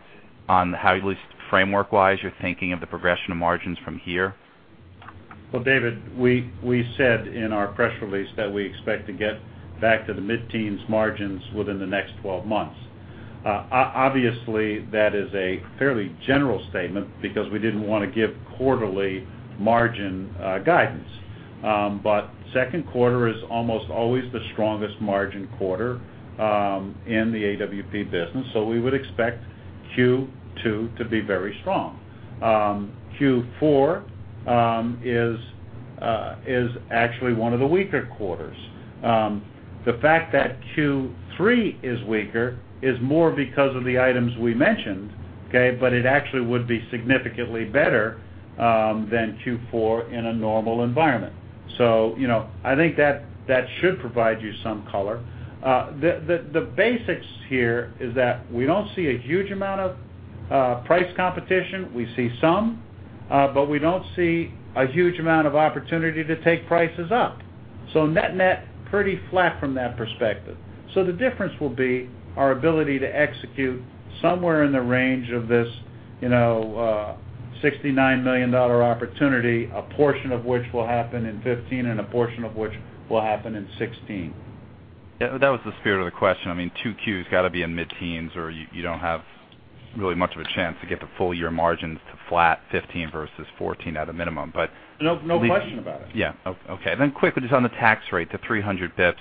on how, at least framework-wise, you're thinking of the progression of margins from here? Well, David, we said in our press release that we expect to get back to the mid-teens margins within the next 12 months. Obviously, that is a fairly general statement because we didn't want to give quarterly margin guidance. Second quarter is almost always the strongest margin quarter in the AWP business, so we would expect Q2 to be very strong. Q4 is actually one of the weaker quarters. The fact that Q3 is weaker is more because of the items we mentioned, okay? It actually would be significantly better than Q4 in a normal environment. I think that should provide you some color. The basics here is that we don't see a huge amount of price competition. We see some, but we don't see a huge amount of opportunity to take prices up. Net pretty flat from that perspective. The difference will be our ability to execute somewhere in the range of this $69 million opportunity, a portion of which will happen in 2015 and a portion of which will happen in 2016. Yeah. That was the spirit of the question. Two Qs got to be in mid-teens, or you don't have really much of a chance to get the full year margins to flat 2015 versus 2014 at a minimum. No question about it. Yeah. Okay. Quickly, just on the tax rate, the 300 basis points.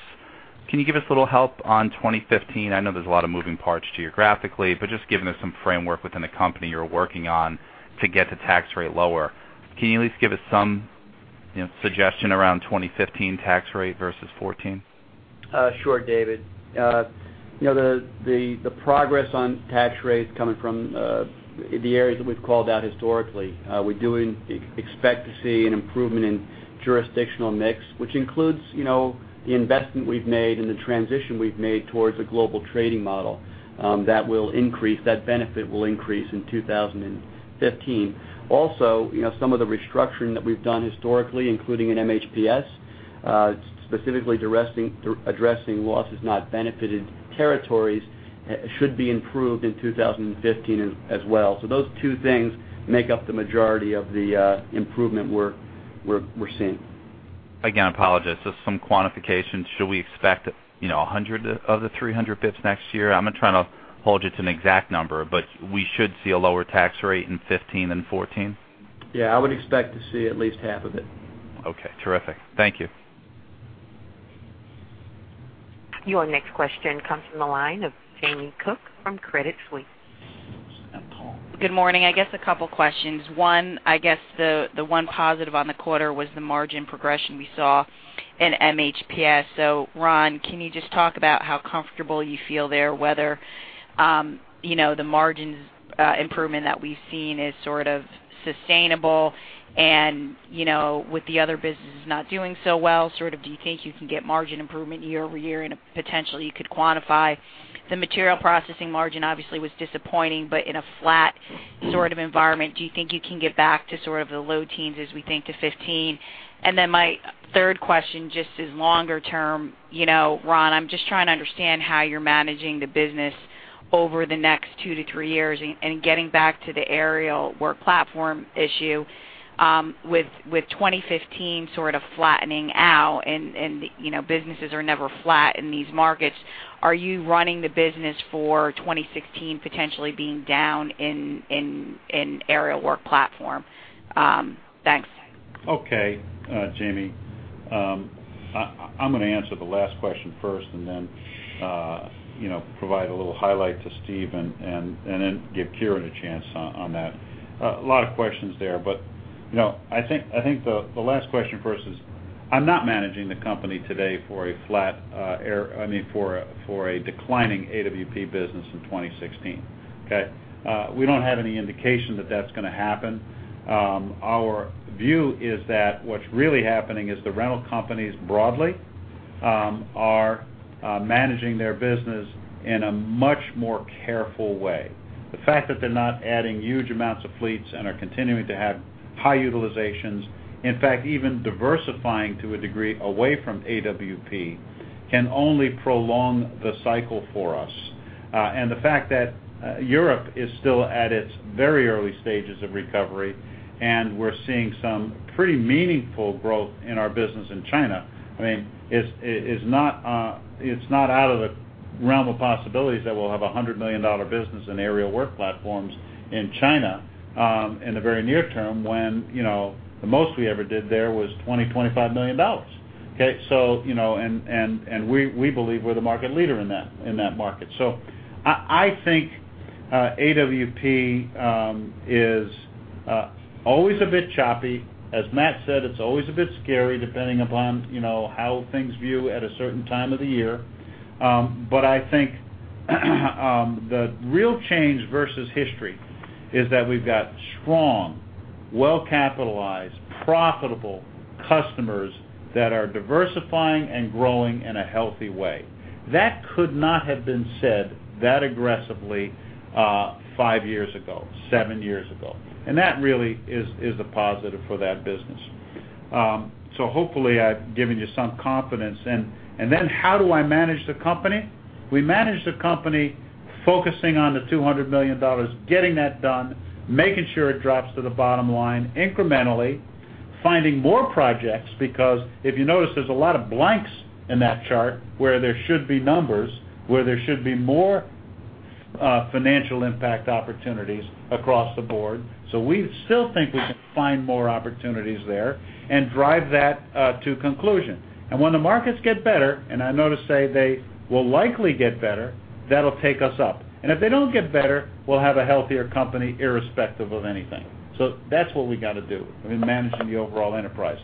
Can you give us a little help on 2015? I know there's a lot of moving parts geographically, but just give us some framework within the company you're working on to get the tax rate lower. Can you at least give us some suggestion around 2015 tax rate versus 2014? Sure, David. The progress on tax rates coming from the areas that we've called out historically. We do expect to see an improvement in jurisdictional mix, which includes the investment we've made and the transition we've made towards a global trading model. That benefit will increase in 2015. Also, some of the restructuring that we've done historically, including in MHPS, specifically addressing losses, not benefited territories, should be improved in 2015 as well. Those two things make up the majority of the improvement we're seeing. Again, apologies. Just some quantification. Should we expect 100 of the 300 basis points next year? I'm not trying to hold you to an exact number, but we should see a lower tax rate in 2015 than 2014? Yeah, I would expect to see at least half of it. Okay, terrific. Thank you. Your next question comes from the line of Jamie Cook from Credit Suisse. Good morning. I guess a couple questions. One, I guess the one positive on the quarter was the margin progression we saw in MHPS. Ron, can you just talk about how comfortable you feel there, whether the margins improvement that we've seen is sort of sustainable and, with the other businesses not doing so well, do you think you can get margin improvement year-over-year and potentially you could quantify? The Materials Processing margin obviously was disappointing, but in a flat sort of environment, do you think you can get back to sort of the low teens as we think to 2015? My third question, just as longer term, Ron, I'm just trying to understand how you're managing the business over the next two to three years and getting back to the Aerial Work Platforms issue. With 2015 sort of flattening out and businesses are never flat in these markets, are you running the business for 2016 potentially being down in aerial work platform? Thanks. Okay. Jamie, I'm going to answer the last question first and then provide a little highlight to Steve and then give Kieran a chance on that. A lot of questions there. I think the last question first is, I'm not managing the company today for a declining AWP business in 2016, okay? We don't have any indication that that's going to happen. Our view is that what's really happening is the rental companies broadly are managing their business in a much more careful way. The fact that they're not adding huge amounts of fleets and are continuing to have high utilizations, in fact, even diversifying to a degree away from AWP, can only prolong the cycle for us. The fact that Europe is still at its very early stages of recovery, and we're seeing some pretty meaningful growth in our business in China, it's not out of the realm of possibilities that we'll have $100 million business in aerial work platforms in China in the very near term, when the most we ever did there was $20 million, $25 million. Okay? We believe we're the market leader in that market. I think AWP is always a bit choppy. As Matt said, it's always a bit scary depending upon how things view at a certain time of the year. I think the real change versus history is that we've got strong, well-capitalized, profitable customers that are diversifying and growing in a healthy way. That could not have been said that aggressively five years ago, seven years ago. That really is a positive for that business. Hopefully I've given you some confidence. Then how do I manage the company? We manage the company focusing on the $200 million, getting that done, making sure it drops to the bottom line incrementally Finding more projects, because if you notice, there's a lot of blanks in that chart where there should be numbers, where there should be more financial impact opportunities across the board. We still think we can find more opportunities there and drive that to conclusion. When the markets get better, and I notice say they will likely get better, that'll take us up. If they don't get better, we'll have a healthier company irrespective of anything. That's what we got to do in managing the overall enterprise.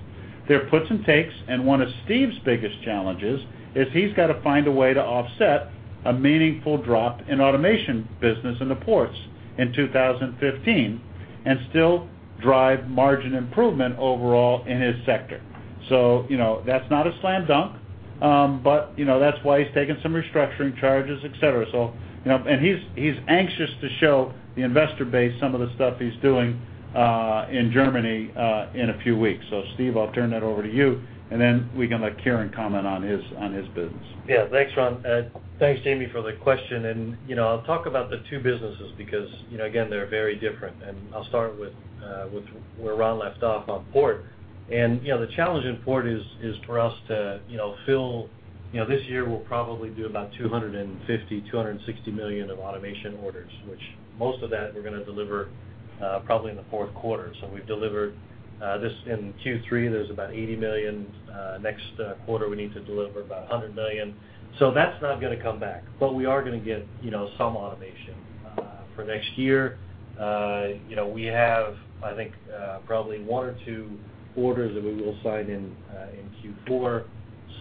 There are puts and takes. One of Steve's biggest challenges is he's got to find a way to offset a meaningful drop in automation business in the ports in 2015 and still drive margin improvement overall in his sector. That's not a slam dunk, but that's why he's taking some restructuring charges, et cetera. He's anxious to show the investor base some of the stuff he's doing in Germany in a few weeks. Steve, I'll turn that over to you, and then we can let Kieran comment on his business. Yeah. Thanks, Ron. Thanks, Jamie, for the question. I'll talk about the two businesses because, again, they're very different. I'll start with where Ron left off on port. The challenge in port is for us to fill this year, we'll probably do about $250 million-$260 million of automation orders, which most of that we're going to deliver probably in the fourth quarter. We've delivered this in Q3, there's about $80 million. Next quarter, we need to deliver about $100 million. That's not going to come back. We are going to get some automation. For next year, we have, I think, probably one or two orders that we will sign in Q4.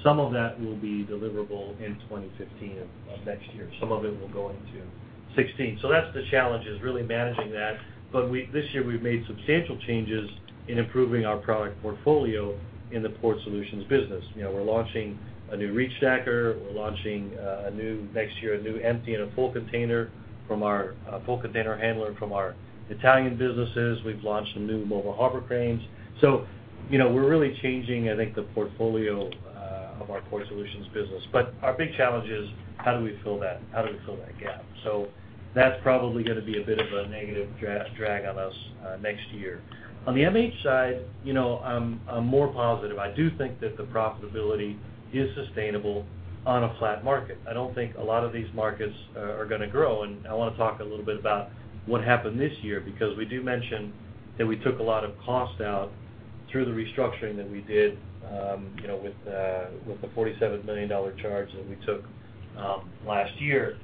Some of that will be deliverable in 2015 of next year. Some of it will go into 2016. That's the challenge is really managing that. This year we've made substantial changes in improving our product portfolio in the Port Solutions business. We're launching a new reach stacker. We're launching, next year, a new empty and a full container handler from our Italian businesses. We've launched some new mobile harbor cranes. We're really changing, I think, the portfolio of our Port Solutions business. Our big challenge is how do we fill that gap? That's probably going to be a bit of a negative drag on us next year. On the MH side, I'm more positive. I do think that the profitability is sustainable on a flat market. I don't think a lot of these markets are going to grow. I want to talk a little bit about what happened this year, because we do mention that we took a lot of cost out through the restructuring that we did with the $47 million charge that we took last year.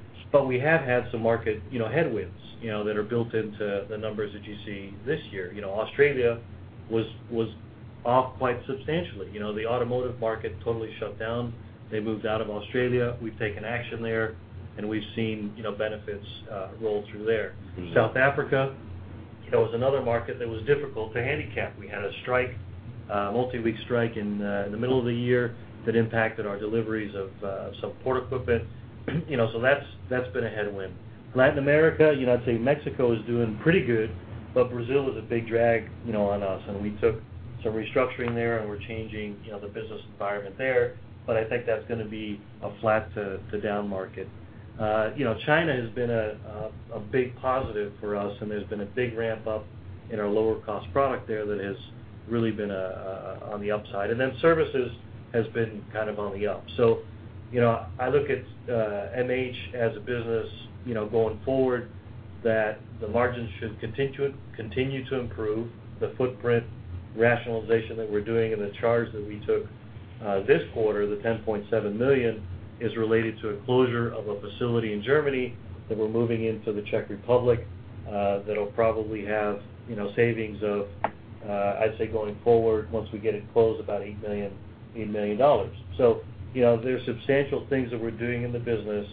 We have had some market headwinds that are built into the numbers that you see this year. Australia was off quite substantially. The automotive market totally shut down. They moved out of Australia. We've taken action there, and we've seen benefits roll through there. South Africa, that was another market that was difficult to handicap. We had a strike, a multi-week strike in the middle of the year that impacted our deliveries of some port equipment. That's been a headwind. Latin America, I'd say Mexico is doing pretty good, Brazil is a big drag on us, and we took some restructuring there, and we're changing the business environment there. I think that's going to be a flat to down market. China has been a big positive for us, and there's been a big ramp-up in our lower cost product there that has really been on the upside. Then services has been on the up. I look at MHPS as a business going forward, that the margins should continue to improve the footprint rationalization that we're doing and the charge that we took this quarter, the $10.7 million, is related to a closure of a facility in Germany that we're moving into the Czech Republic that'll probably have savings of, I'd say, going forward once we get it closed, about $8 million. There's substantial things that we're doing in the business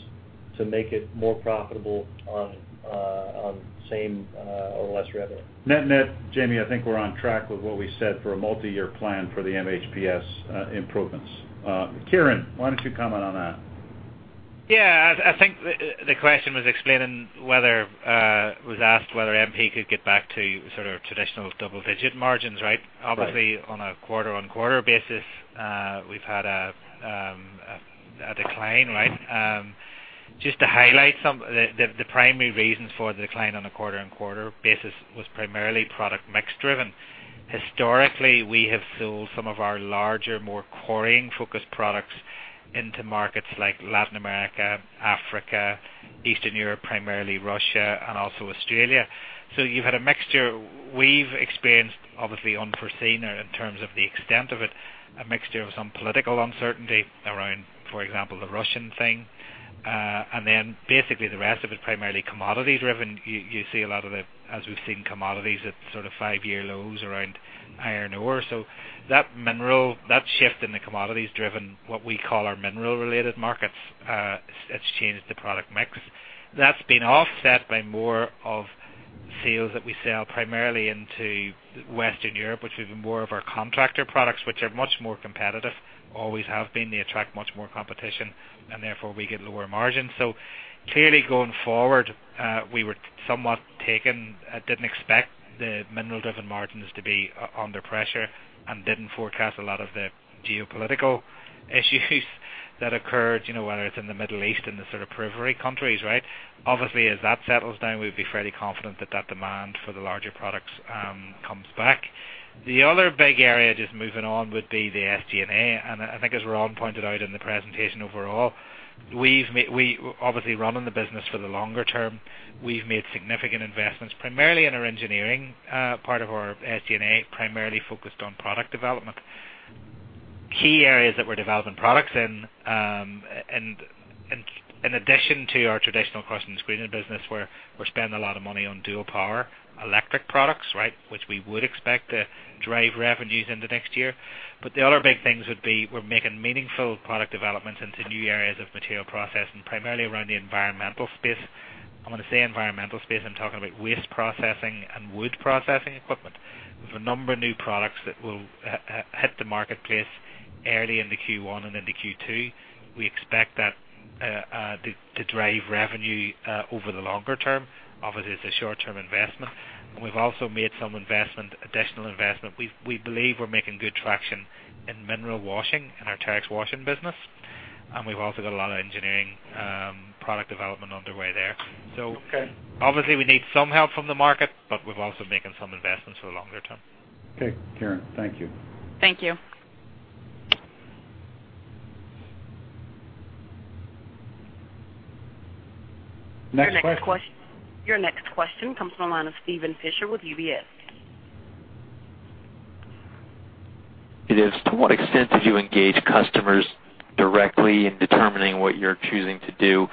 to make it more profitable on same or less revenue. Net, Jamie, I think we're on track with what we said for a multi-year plan for the MHPS improvements. Kieran, why don't you comment on that? Yeah. I think the question was asked whether MP could get back to sort of traditional double-digit margins, right? Right. Obviously, on a quarter-on-quarter basis, we've had a decline, right? Just to highlight some, the primary reasons for the decline on a quarter-on-quarter basis was primarily product mix driven. Historically, we have sold some of our larger, more quarrying-focused products into markets like Latin America, Africa, Eastern Europe, primarily Russia, and also Australia. You've had a mixture. We've experienced, obviously unforeseen in terms of the extent of it, a mixture of some political uncertainty around, for example, the Russian thing. Basically the rest of it, primarily commodity driven. You see a lot of it as we've seen commodities at sort of five-year lows around iron ore. That shift in the commodities driven, what we call our mineral-related markets, it's changed the product mix. That's been offset by more of sales that we sell primarily into Western Europe, which is more of our contractor products, which are much more competitive, always have been. They attract much more competition, and therefore we get lower margins. Clearly going forward, we were somewhat taken didn't expect the mineral-driven margins to be under pressure and didn't forecast a lot of the geopolitical issues that occurred, whether it's in the Middle East, in the sort of periphery countries, right? Obviously, as that settles down, we'd be fairly confident that that demand for the larger products comes back. The other big area, just moving on, would be the SG&A. I think as Ron pointed out in the presentation overall, we're obviously running the business for the longer term. We've made significant investments, primarily in our engineering part of our SG&A, primarily focused on product development. Key areas that we're developing products in addition to our traditional crushing and screening business, we're spending a lot of money on dual power electric products, which we would expect to drive revenues into next year. The other big things would be we're making meaningful product developments into new areas of material processing, primarily around the environmental space. I'm going to say environmental space, I'm talking about waste processing and wood processing equipment. We have a number of new products that will hit the marketplace early into Q1 and into Q2. We expect that to drive revenue over the longer term. Obviously, it's a short-term investment, and we've also made some additional investment. We believe we're making good traction in mineral washing, in our Terex washing business, and we've also got a lot of engineering product development underway there. Okay. Obviously, we need some help from the market, but we're also making some investments for the longer term. Okay, Kieran. Thank you. Thank you. Next question. Your next question comes from the line of Steven Fisher with UBS. To what extent did you engage customers directly in determining what you're choosing to do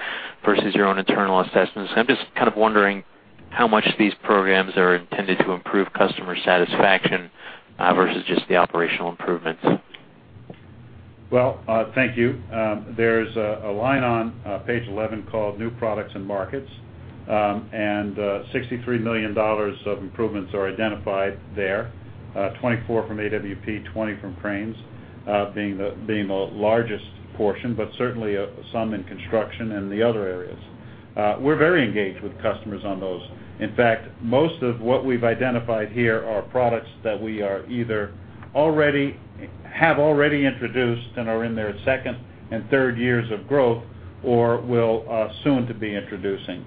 versus your own internal assessments? I'm just kind of wondering how much these programs are intended to improve customer satisfaction versus just the operational improvements. Well, thank you. There's a line on page 11 called New Products and Markets, $63 million of improvements are identified there. 24 from AWP, 20 from Cranes being the largest portion, certainly, some in Construction and the other areas. We're very engaged with customers on those. In fact, most of what we've identified here are products that we have already introduced and are in their second and third years of growth or will soon to be introducing.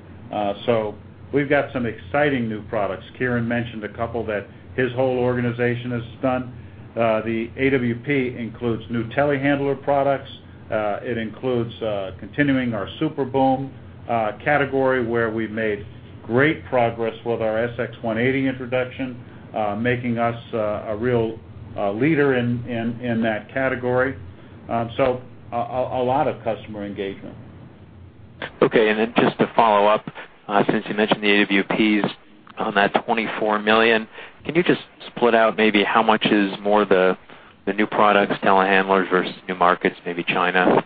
We've got some exciting new products. Kieran mentioned a couple that his whole organization has done. The AWP includes new telehandler products. It includes continuing our Super Boom category where we've made great progress with our SX-180 introduction, making us a real leader in that category. A lot of customer engagement. Okay, just to follow up, since you mentioned the AWPs on that $24 million, can you just split out maybe how much is more the new products, telehandlers versus new markets, maybe China?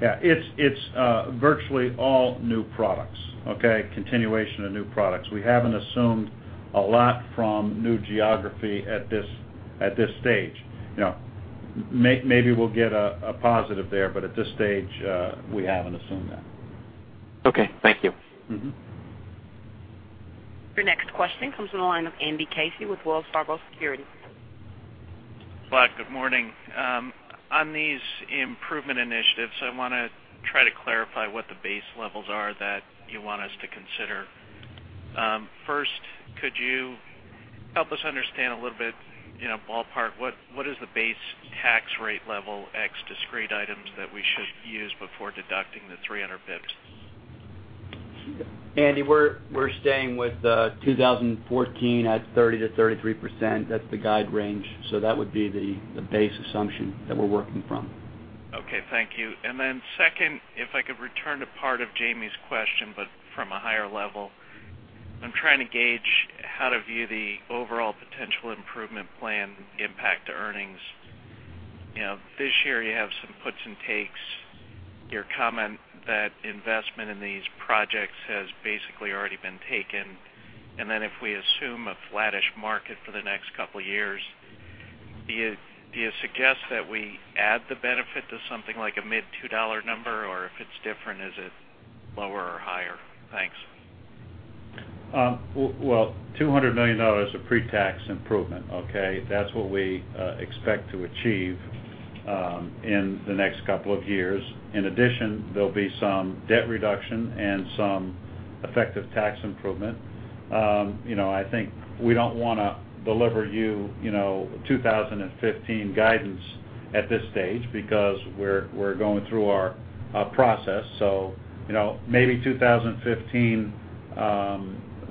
Yeah. It's virtually all new products. Okay? Continuation of new products. We haven't assumed a lot from new geography at this stage. Maybe we'll get a positive there, at this stage, we haven't assumed that. Okay. Thank you. Your next question comes from the line of Andrew Casey with Wells Fargo Securities. Ron, good morning. On these improvement initiatives, I want to try to clarify what the base levels are that you want us to consider. First, could you help us understand a little bit, ballpark, what is the base tax rate level ex discrete items that we should use before deducting the 300 basis points? Andy, we're staying with 2014 at 30%-33%. That's the guide range. That would be the base assumption that we're working from. Okay, thank you. Second, if I could return to part of Jamie's question, but from a higher level. I am trying to gauge how to view the overall potential improvement plan impact to earnings. This year, you have some puts and takes. Your comment that investment in these projects has basically already been taken. If we assume a flattish market for the next couple of years, do you suggest that we add the benefit to something like a mid-$2 number? Or if it is different, is it lower or higher? Thanks. Well, $200 million of pre-tax improvement, okay? That is what we expect to achieve in the next couple of years. In addition, there will be some debt reduction and some effective tax improvement. I think we do not want to deliver you 2015 guidance at this stage because we are going through our process. Maybe 2015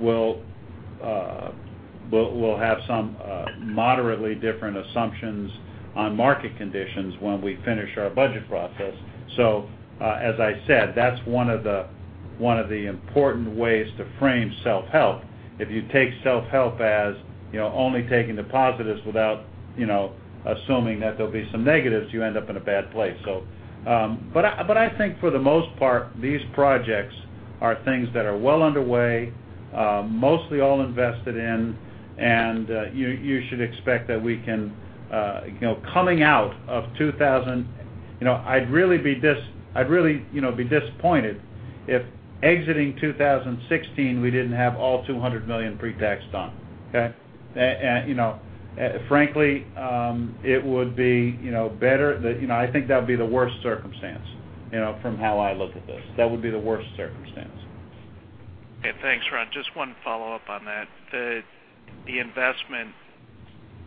will have some moderately different assumptions on market conditions when we finish our budget process. As I said, that is one of the important ways to frame self-help. If you take self-help as only taking the positives without assuming that there will be some negatives, you end up in a bad place. I think for the most part, these projects are things that are well underway, mostly all invested in, and you should expect that I would really be disappointed If exiting 2016, we did not have all $200 million pre-tax done, okay? I think that would be the worst circumstance, from how I look at this. That would be the worst circumstance. Okay. Thanks, Ron. Just one follow-up on that. The investment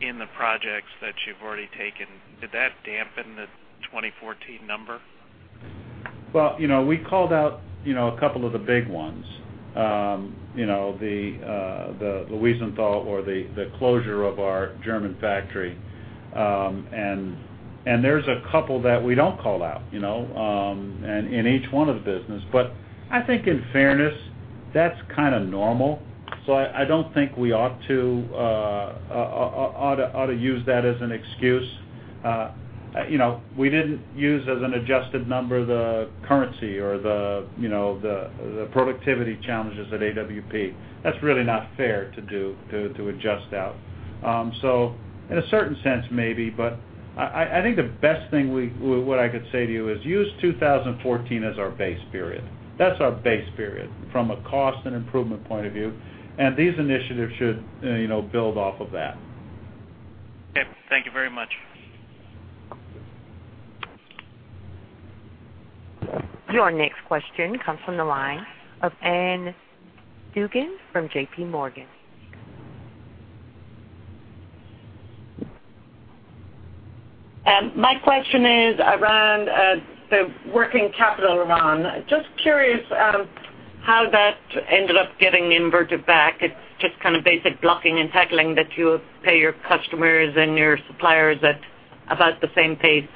in the projects that you have already taken, did that dampen the 2014 number? Well, we called out a couple of the big ones. The Luisenthal or the closure of our German factory. There's a couple that we don't call out, in each one of the business. I think in fairness, that's kind of normal. I don't think we ought to use that as an excuse. We didn't use as an adjusted number, the currency or the productivity challenges at AWP. That's really not fair to do, to adjust out. In a certain sense, maybe, but I think the best thing, what I could say to you is use 2014 as our base period. That's our base period from a cost and improvement point of view. These initiatives should build off of that. Okay. Thank you very much. Your next question comes from the line of Ann Duignan from J.P. Morgan. My question is around the working capital, Ron. Just curious how that ended up getting inverted back. It's just kind of basic blocking and tackling that you pay your customers and your suppliers at about the same pace.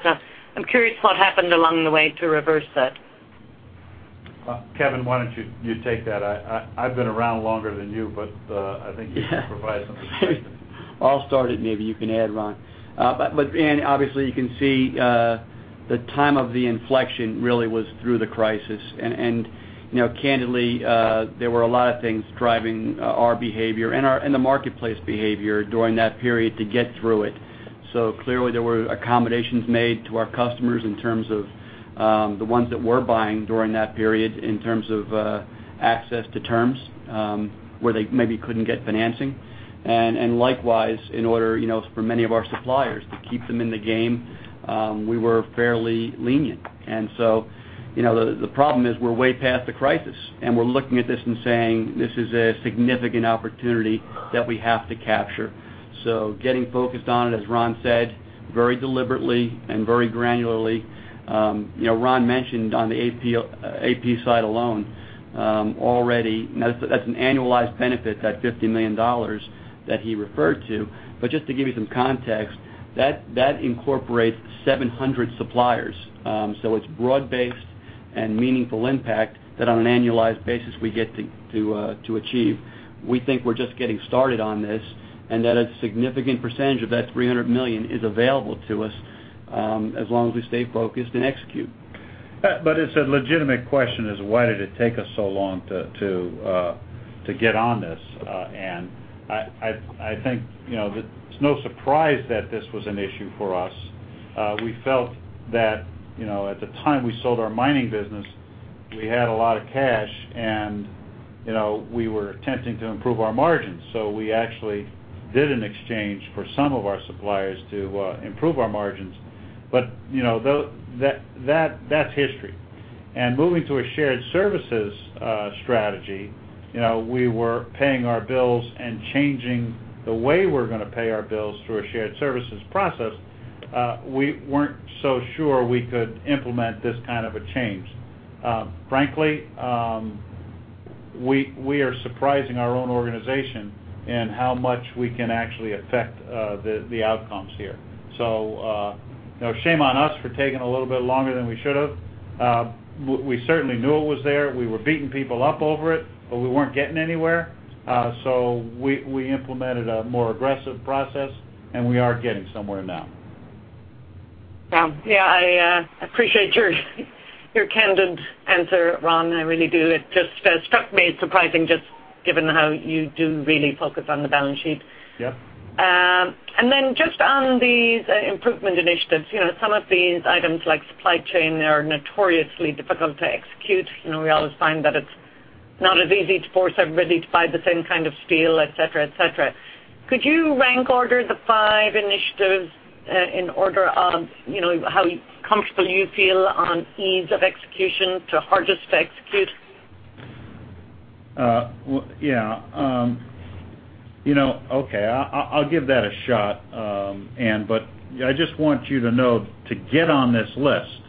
I'm curious what happened along the way to reverse that. Kevin, why don't you take that? I've been around longer than you, but I think you can provide some perspective. I'll start it, maybe you can add Ron. Ann, obviously you can see the time of the inflection really was through the crisis. Candidly, there were a lot of things driving our behavior and the marketplace behavior during that period to get through it. Clearly, there were accommodations made to our customers in terms of the ones that were buying during that period in terms of access to terms, where they maybe couldn't get financing. Likewise, in order for many of our suppliers to keep them in the game, we were fairly lenient. The problem is we're way past the crisis, and we're looking at this and saying, "This is a significant opportunity that we have to capture." Getting focused on it, as Ron said, very deliberately and very granularly. Ron mentioned on the AP side alone, already, that's an annualized benefit, that $50 million that he referred to. Just to give you some context, that incorporates 700 suppliers. It's broad-based and meaningful impact that on an annualized basis we get to achieve. We think we're just getting started on this, and that a significant percentage of that $300 million is available to us, as long as we stay focused and execute. It's a legitimate question is, why did it take us so long to get on this, Ann? I think, it's no surprise that this was an issue for us. We felt that, at the time we sold our mining business, we had a lot of cash, and we were attempting to improve our margins. We actually did an exchange for some of our suppliers to improve our margins. That's history. Moving to a shared services strategy, we were paying our bills and changing the way we're gonna pay our bills through a shared services process. We weren't so sure we could implement this kind of a change. Frankly, we are surprising our own organization in how much we can actually affect the outcomes here. Shame on us for taking a little bit longer than we should have. We certainly knew it was there. We were beating people up over it, but we weren't getting anywhere. We implemented a more aggressive process, and we are getting somewhere now. Yeah. I appreciate your candid answer, Ron. I really do. It just struck me surprising, just given how you do really focus on the balance sheet. Yeah. Just on these improvement initiatives, some of these items, like supply chain, are notoriously difficult to execute. We always find that it's not as easy to force everybody to buy the same kind of steel, et cetera. Could you rank order the five initiatives in order of how comfortable you feel on ease of execution to hardest to execute? Yeah. Okay, I'll give that a shot, Ann, but I just want you to know, to get on this list,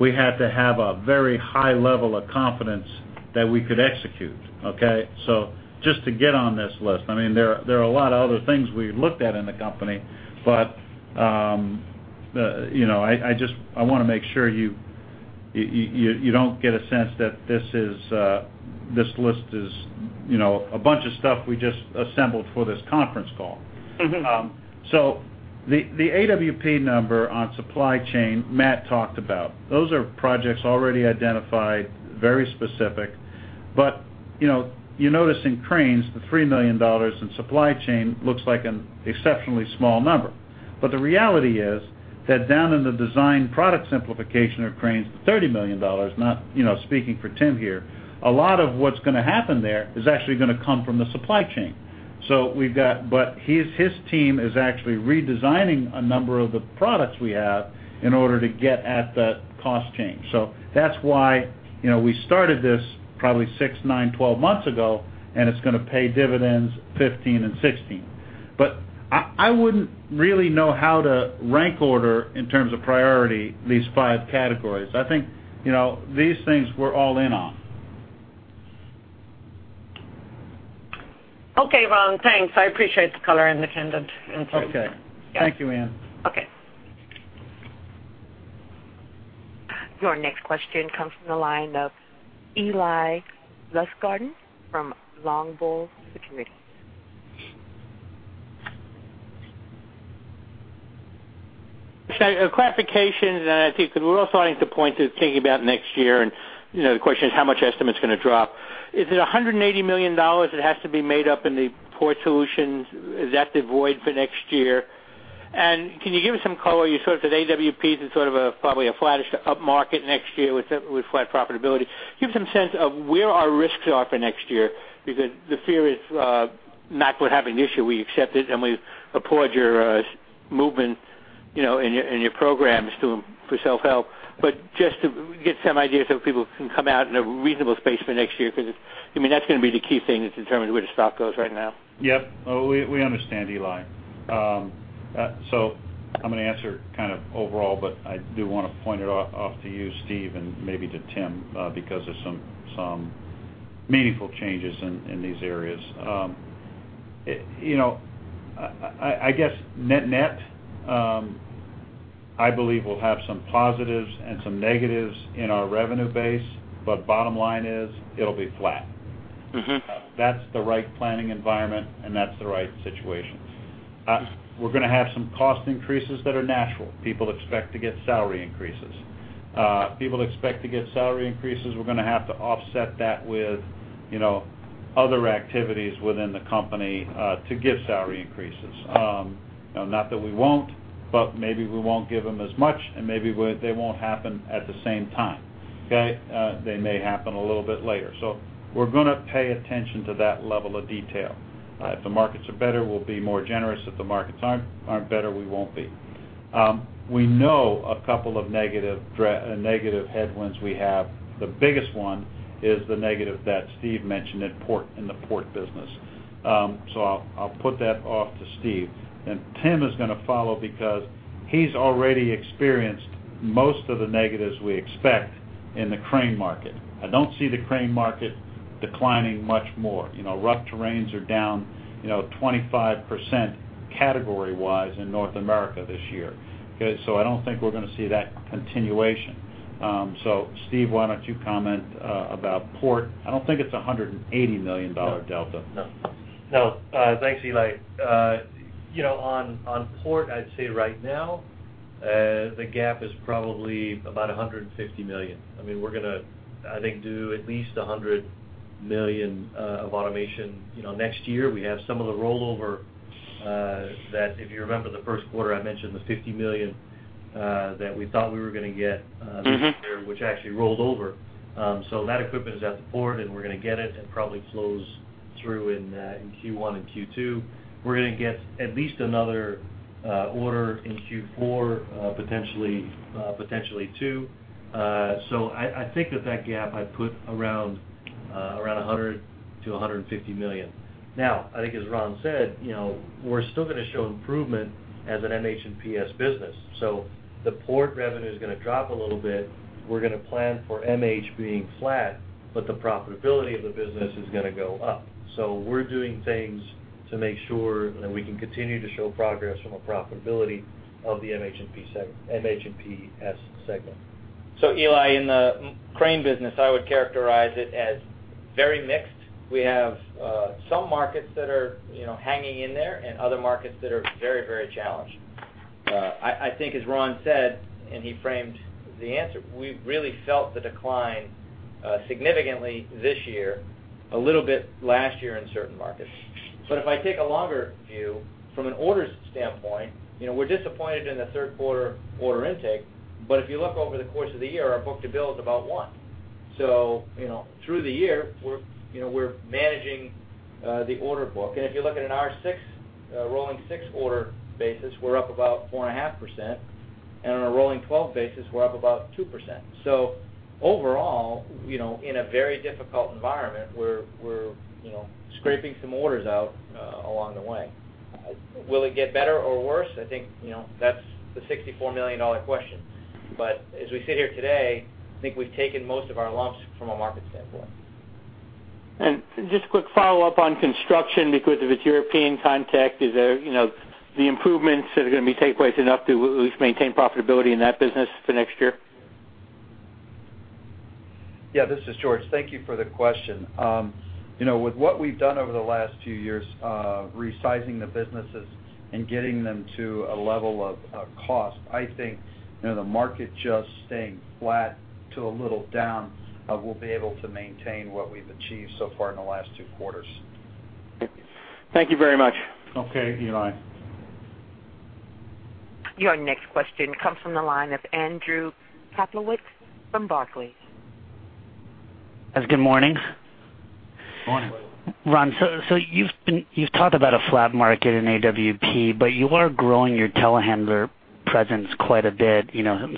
we had to have a very high level of confidence that we could execute, okay? Just to get on this list, there are a lot of other things we looked at in the company, but I want to make sure you don't get a sense that this list is a bunch of stuff we just assembled for this conference call. The AWP number on supply chain, Matt talked about. Those are projects already identified, very specific. You notice in cranes, the $3 million in supply chain looks like an exceptionally small number. The reality is that down in the design product simplification of cranes, the $30 million, not speaking for Tim here, a lot of what's going to happen there is actually going to come from the supply chain. His team is actually redesigning a number of the products we have in order to get at that cost change. That's why we started this probably six, nine, 12 months ago, and it's going to pay dividends 2015 and 2016. I wouldn't really know how to rank order in terms of priority, these five categories. I think, these things we're all in on. Okay, Ron. Thanks. I appreciate the color and the candid input. Okay. Thank you, Ann. Okay. Your next question comes from the line of Eli Lustgarten from Longbow Research. A clarification that I think we're all starting to point to thinking about next year. The question is how much estimate's going to drop. Is it $180 million that has to be made up in the Port Solutions? Is that the void for next year? Can you give us some color, you said that AWP is probably a flattish up market next year with flat profitability. Give some sense of where our risks are for next year, because the fear is not going to have an issue. We accept it, and we've applaud your movement, and your programs for self-help. Just to get some idea so people can come out in a reasonable space for next year, because that's going to be the key thing that determines where the stock goes right now. Yep. We understand, Eli. I'm going to answer kind of overall, I do want to point it off to you, Steve, and maybe to Tim, because of some meaningful changes in these areas. I guess net-net, I believe we'll have some positives and some negatives in our revenue base, bottom line is it'll be flat. That's the right planning environment. That's the right situation. We're going to have some cost increases that are natural. People expect to get salary increases. People expect to get salary increases. We're going to have to offset that with other activities within the company, to give salary increases. Not that we won't, maybe we won't give them as much, maybe they won't happen at the same time. Okay? They may happen a little bit later. We're going to pay attention to that level of detail. If the markets are better, we'll be more generous. If the markets aren't better, we won't be. We know a couple of negative headwinds we have. The biggest one is the negative that Steve mentioned in the port business. I'll put that off to Steve. Tim is going to follow because he's already experienced most of the negatives we expect in the crane market. I don't see the crane market declining much more. Rough terrains are down 25% category-wise in North America this year. Okay? I don't think we're going to see that continuation. Steve, why don't you comment about port? I don't think it's $180 million delta. No. Thanks, Eli. On port, I'd say right now, the gap is probably about $150 million. We're going to, I think, do at least $100 million of automation next year. We have some of the rollover that if you remember the first quarter, I mentioned the $50 million, that we thought we were going to get. Which actually rolled over. That equipment is at the port, and we're going to get it, and probably flows through in Q1 and Q2. We're going to get at least another order in Q4, potentially two. I think that that gap I'd put around $100 million-$150 million. Now, I think as Ron said, we're still going to show improvement as an MH and PS business. The port revenue is going to drop a little bit. We're going to plan for MH being flat, but the profitability of the business is going to go up. We're doing things to make sure that we can continue to show progress from a profitability of the MH and PS segment. Eli, in the crane business, I would characterize it as very mixed. We have some markets that are hanging in there and other markets that are very challenged. I think as Ron said, and he framed the answer, we've really felt the decline significantly this year, a little bit last year in certain markets. If I take a longer view from an orders standpoint, we're disappointed in the third quarter order intake, but if you look over the course of the year, our book-to-bill is about one. Through the year, we're managing the order book. If you look at our rolling six order basis, we're up about 4.5%, and on a rolling 12 basis, we're up about 2%. Overall, in a very difficult environment, we're scraping some orders out along the way. Will it get better or worse? I think that's the $64 million question. As we sit here today, I think we've taken most of our lumps from a market standpoint. Just a quick follow-up on construction, because if it's European context, the improvements that are going to be takeaways enough to at least maintain profitability in that business for next year? Yeah, this is George. Thank you for the question. With what we've done over the last two years, resizing the businesses and getting them to a level of cost, I think the market just staying flat to a little down, we'll be able to maintain what we've achieved so far in the last two quarters. Thank you very much. Okay, Eli. Your next question comes from the line of Andrew Kaplowitz from Barclays. Good morning. Morning. Ron, you've talked about a flat market in AWP, but you are growing your telehandler presence quite a bit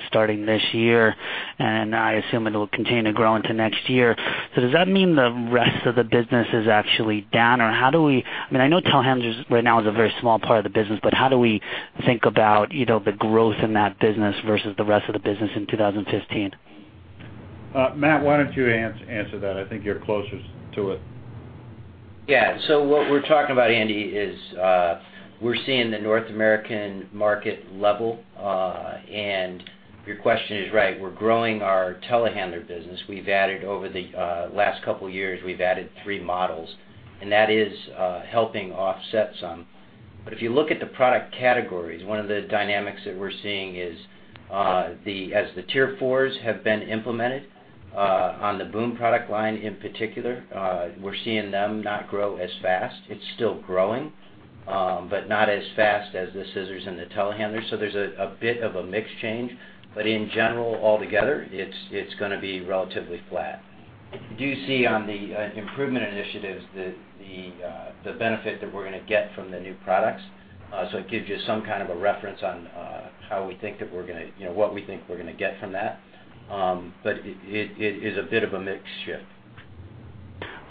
starting this year, and I assume it'll continue to grow into next year. Does that mean the rest of the business is actually down? I know telehandlers right now is a very small part of the business, but how do we think about the growth in that business versus the rest of the business in 2015? Matt, why don't you answer that? I think you're closer to it. What we're talking about, Andy, is we're seeing the North American market level. Your question is right. We're growing our telehandler business. Over the last couple years, we've added three models, and that is helping offset some. If you look at the product categories, one of the dynamics that we're seeing is, as the Tier 4s have been implemented on the boom product line in particular, we're seeing them not grow as fast. It's still growing, but not as fast as the scissors and the telehandlers. There's a bit of a mix change. In general, altogether, it's going to be relatively flat. You do see on the improvement initiatives the benefit that we're going to get from the new products. It gives you some kind of a reference on what we think we're going to get from that. It is a bit of a mix shift.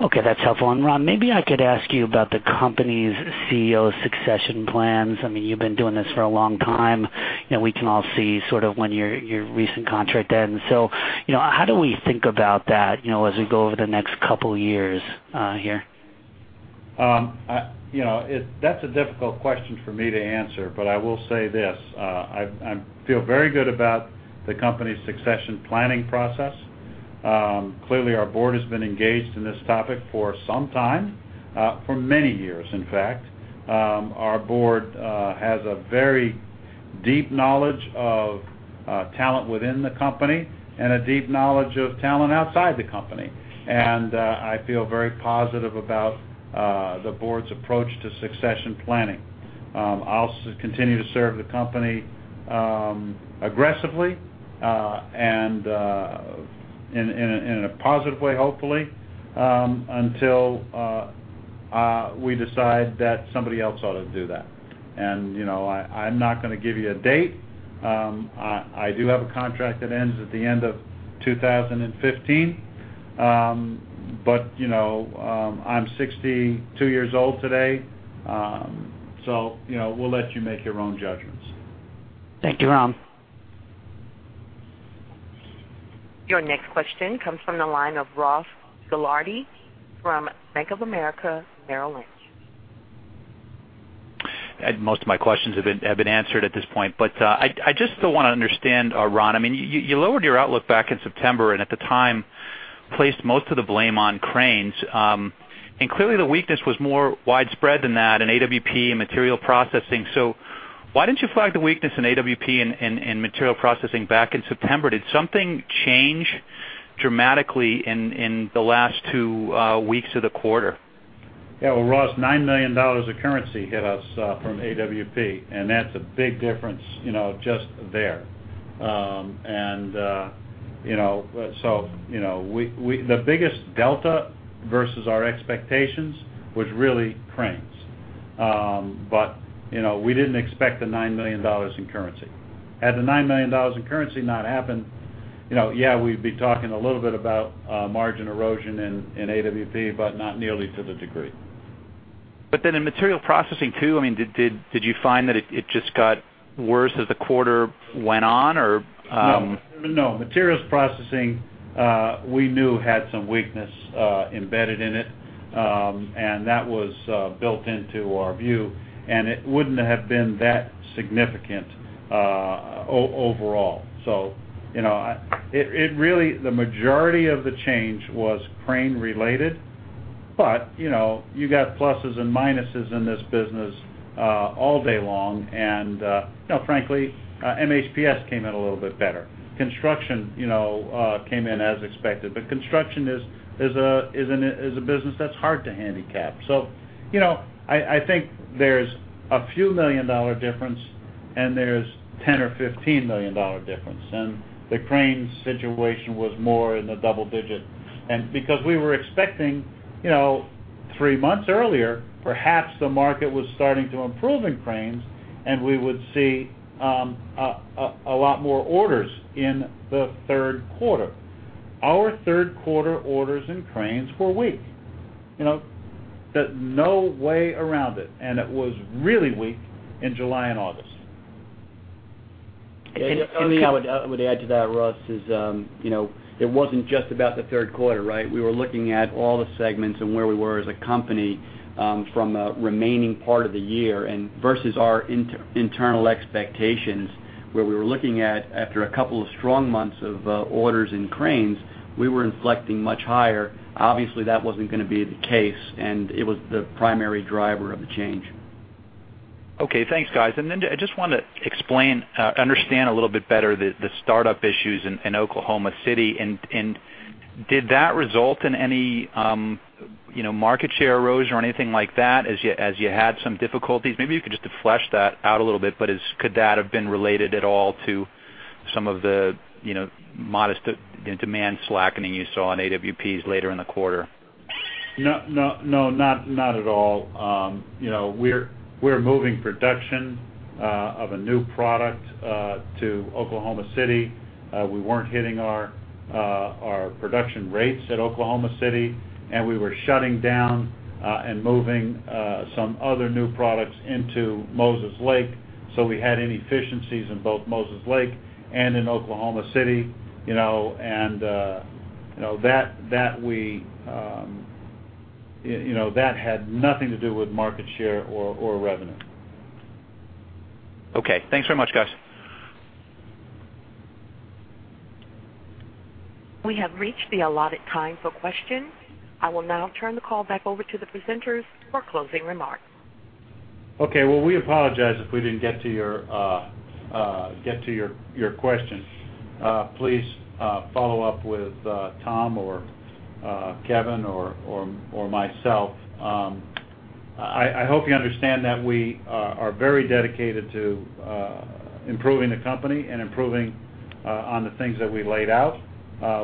Okay. That's helpful. Ron, maybe I could ask you about the company's CEO succession plans. You've been doing this for a long time. We can all see sort of when your recent contract ends. How do we think about that as we go over the next couple of years here? That's a difficult question for me to answer, but I will say this. I feel very good about the company's succession planning process. Clearly, our board has been engaged in this topic for some time, for many years, in fact. Our board has a very deep knowledge of talent within the company and a deep knowledge of talent outside the company. I feel very positive about the board's approach to succession planning. I'll continue to serve the company aggressively, and in a positive way, hopefully, until we decide that somebody else ought to do that. I'm not going to give you a date. I do have a contract that ends at the end of 2015. I'm 62 years old today, so we'll let you make your own judgments. Thank you, Ron. Your next question comes from the line of Ross Gilardi from Bank of America Merrill Lynch. Most of my questions have been answered at this point, but I just still want to understand, Ron, you lowered your outlook back in September and at the time placed most of the blame on cranes. Clearly, the weakness was more widespread than that in AWP and Materials Processing. Why didn't you flag the weakness in AWP and Materials Processing back in September? Did something change dramatically in the last two weeks of the quarter? Well, Ross, $9 million of currency hit us from AWP, that's a big difference just there. The biggest delta versus our expectations was really cranes. We didn't expect the $9 million in currency. Had the $9 million in currency not happened, we'd be talking a little bit about margin erosion in AWP, but not nearly to the degree. In Materials Processing, too, did you find that it just got worse as the quarter went on? No. Materials Processing we knew had some weakness embedded in it, that was built into our view, it wouldn't have been that significant overall. Really, the majority of the change was crane related, you got pluses and minuses in this business all day long. Frankly, MHPS came in a little bit better. Construction came in as expected, construction is a business that's hard to handicap. I think there's a few million-dollar difference and there's $10 million or $15 million difference, the cranes situation was more in the double-digit. Because we were expecting, three months earlier, perhaps the market was starting to improve in cranes, we would see a lot more orders in the third quarter. Our third quarter orders in cranes were weak. There's no way around it was really weak in July and August. The only thing I would add to that, Ross, is it wasn't just about the third quarter, right? We were looking at all the segments and where we were as a company from a remaining part of the year, versus our internal expectations, where we were looking at after a couple of strong months of orders in cranes, we were inflecting much higher. Obviously, that wasn't going to be the case, it was the primary driver of the change. Okay, thanks, guys. I just want to understand a little bit better the startup issues in Oklahoma City. Did that result in any market share erosion or anything like that as you had some difficulties? Maybe you could just flesh that out a little bit, but could that have been related at all to some of the modest demand slackening you saw in AWPs later in the quarter? No, not at all. We're moving production of a new product to Oklahoma City. We weren't hitting our production rates at Oklahoma City, and we were shutting down and moving some other new products into Moses Lake, so we had inefficiencies in both Moses Lake and in Oklahoma City. That had nothing to do with market share or revenue. Okay. Thanks very much, guys. We have reached the allotted time for questions. I will now turn the call back over to the presenters for closing remarks. Okay. Well, we apologize if we didn't get to your questions. Please follow up with Tom or Kevin or myself. I hope you understand that we are very dedicated to improving the company and improving on the things that we laid out,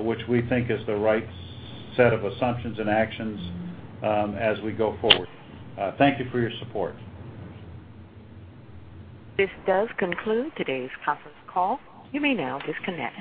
which we think is the right set of assumptions and actions as we go forward. Thank you for your support. This does conclude today's conference call. You may now disconnect.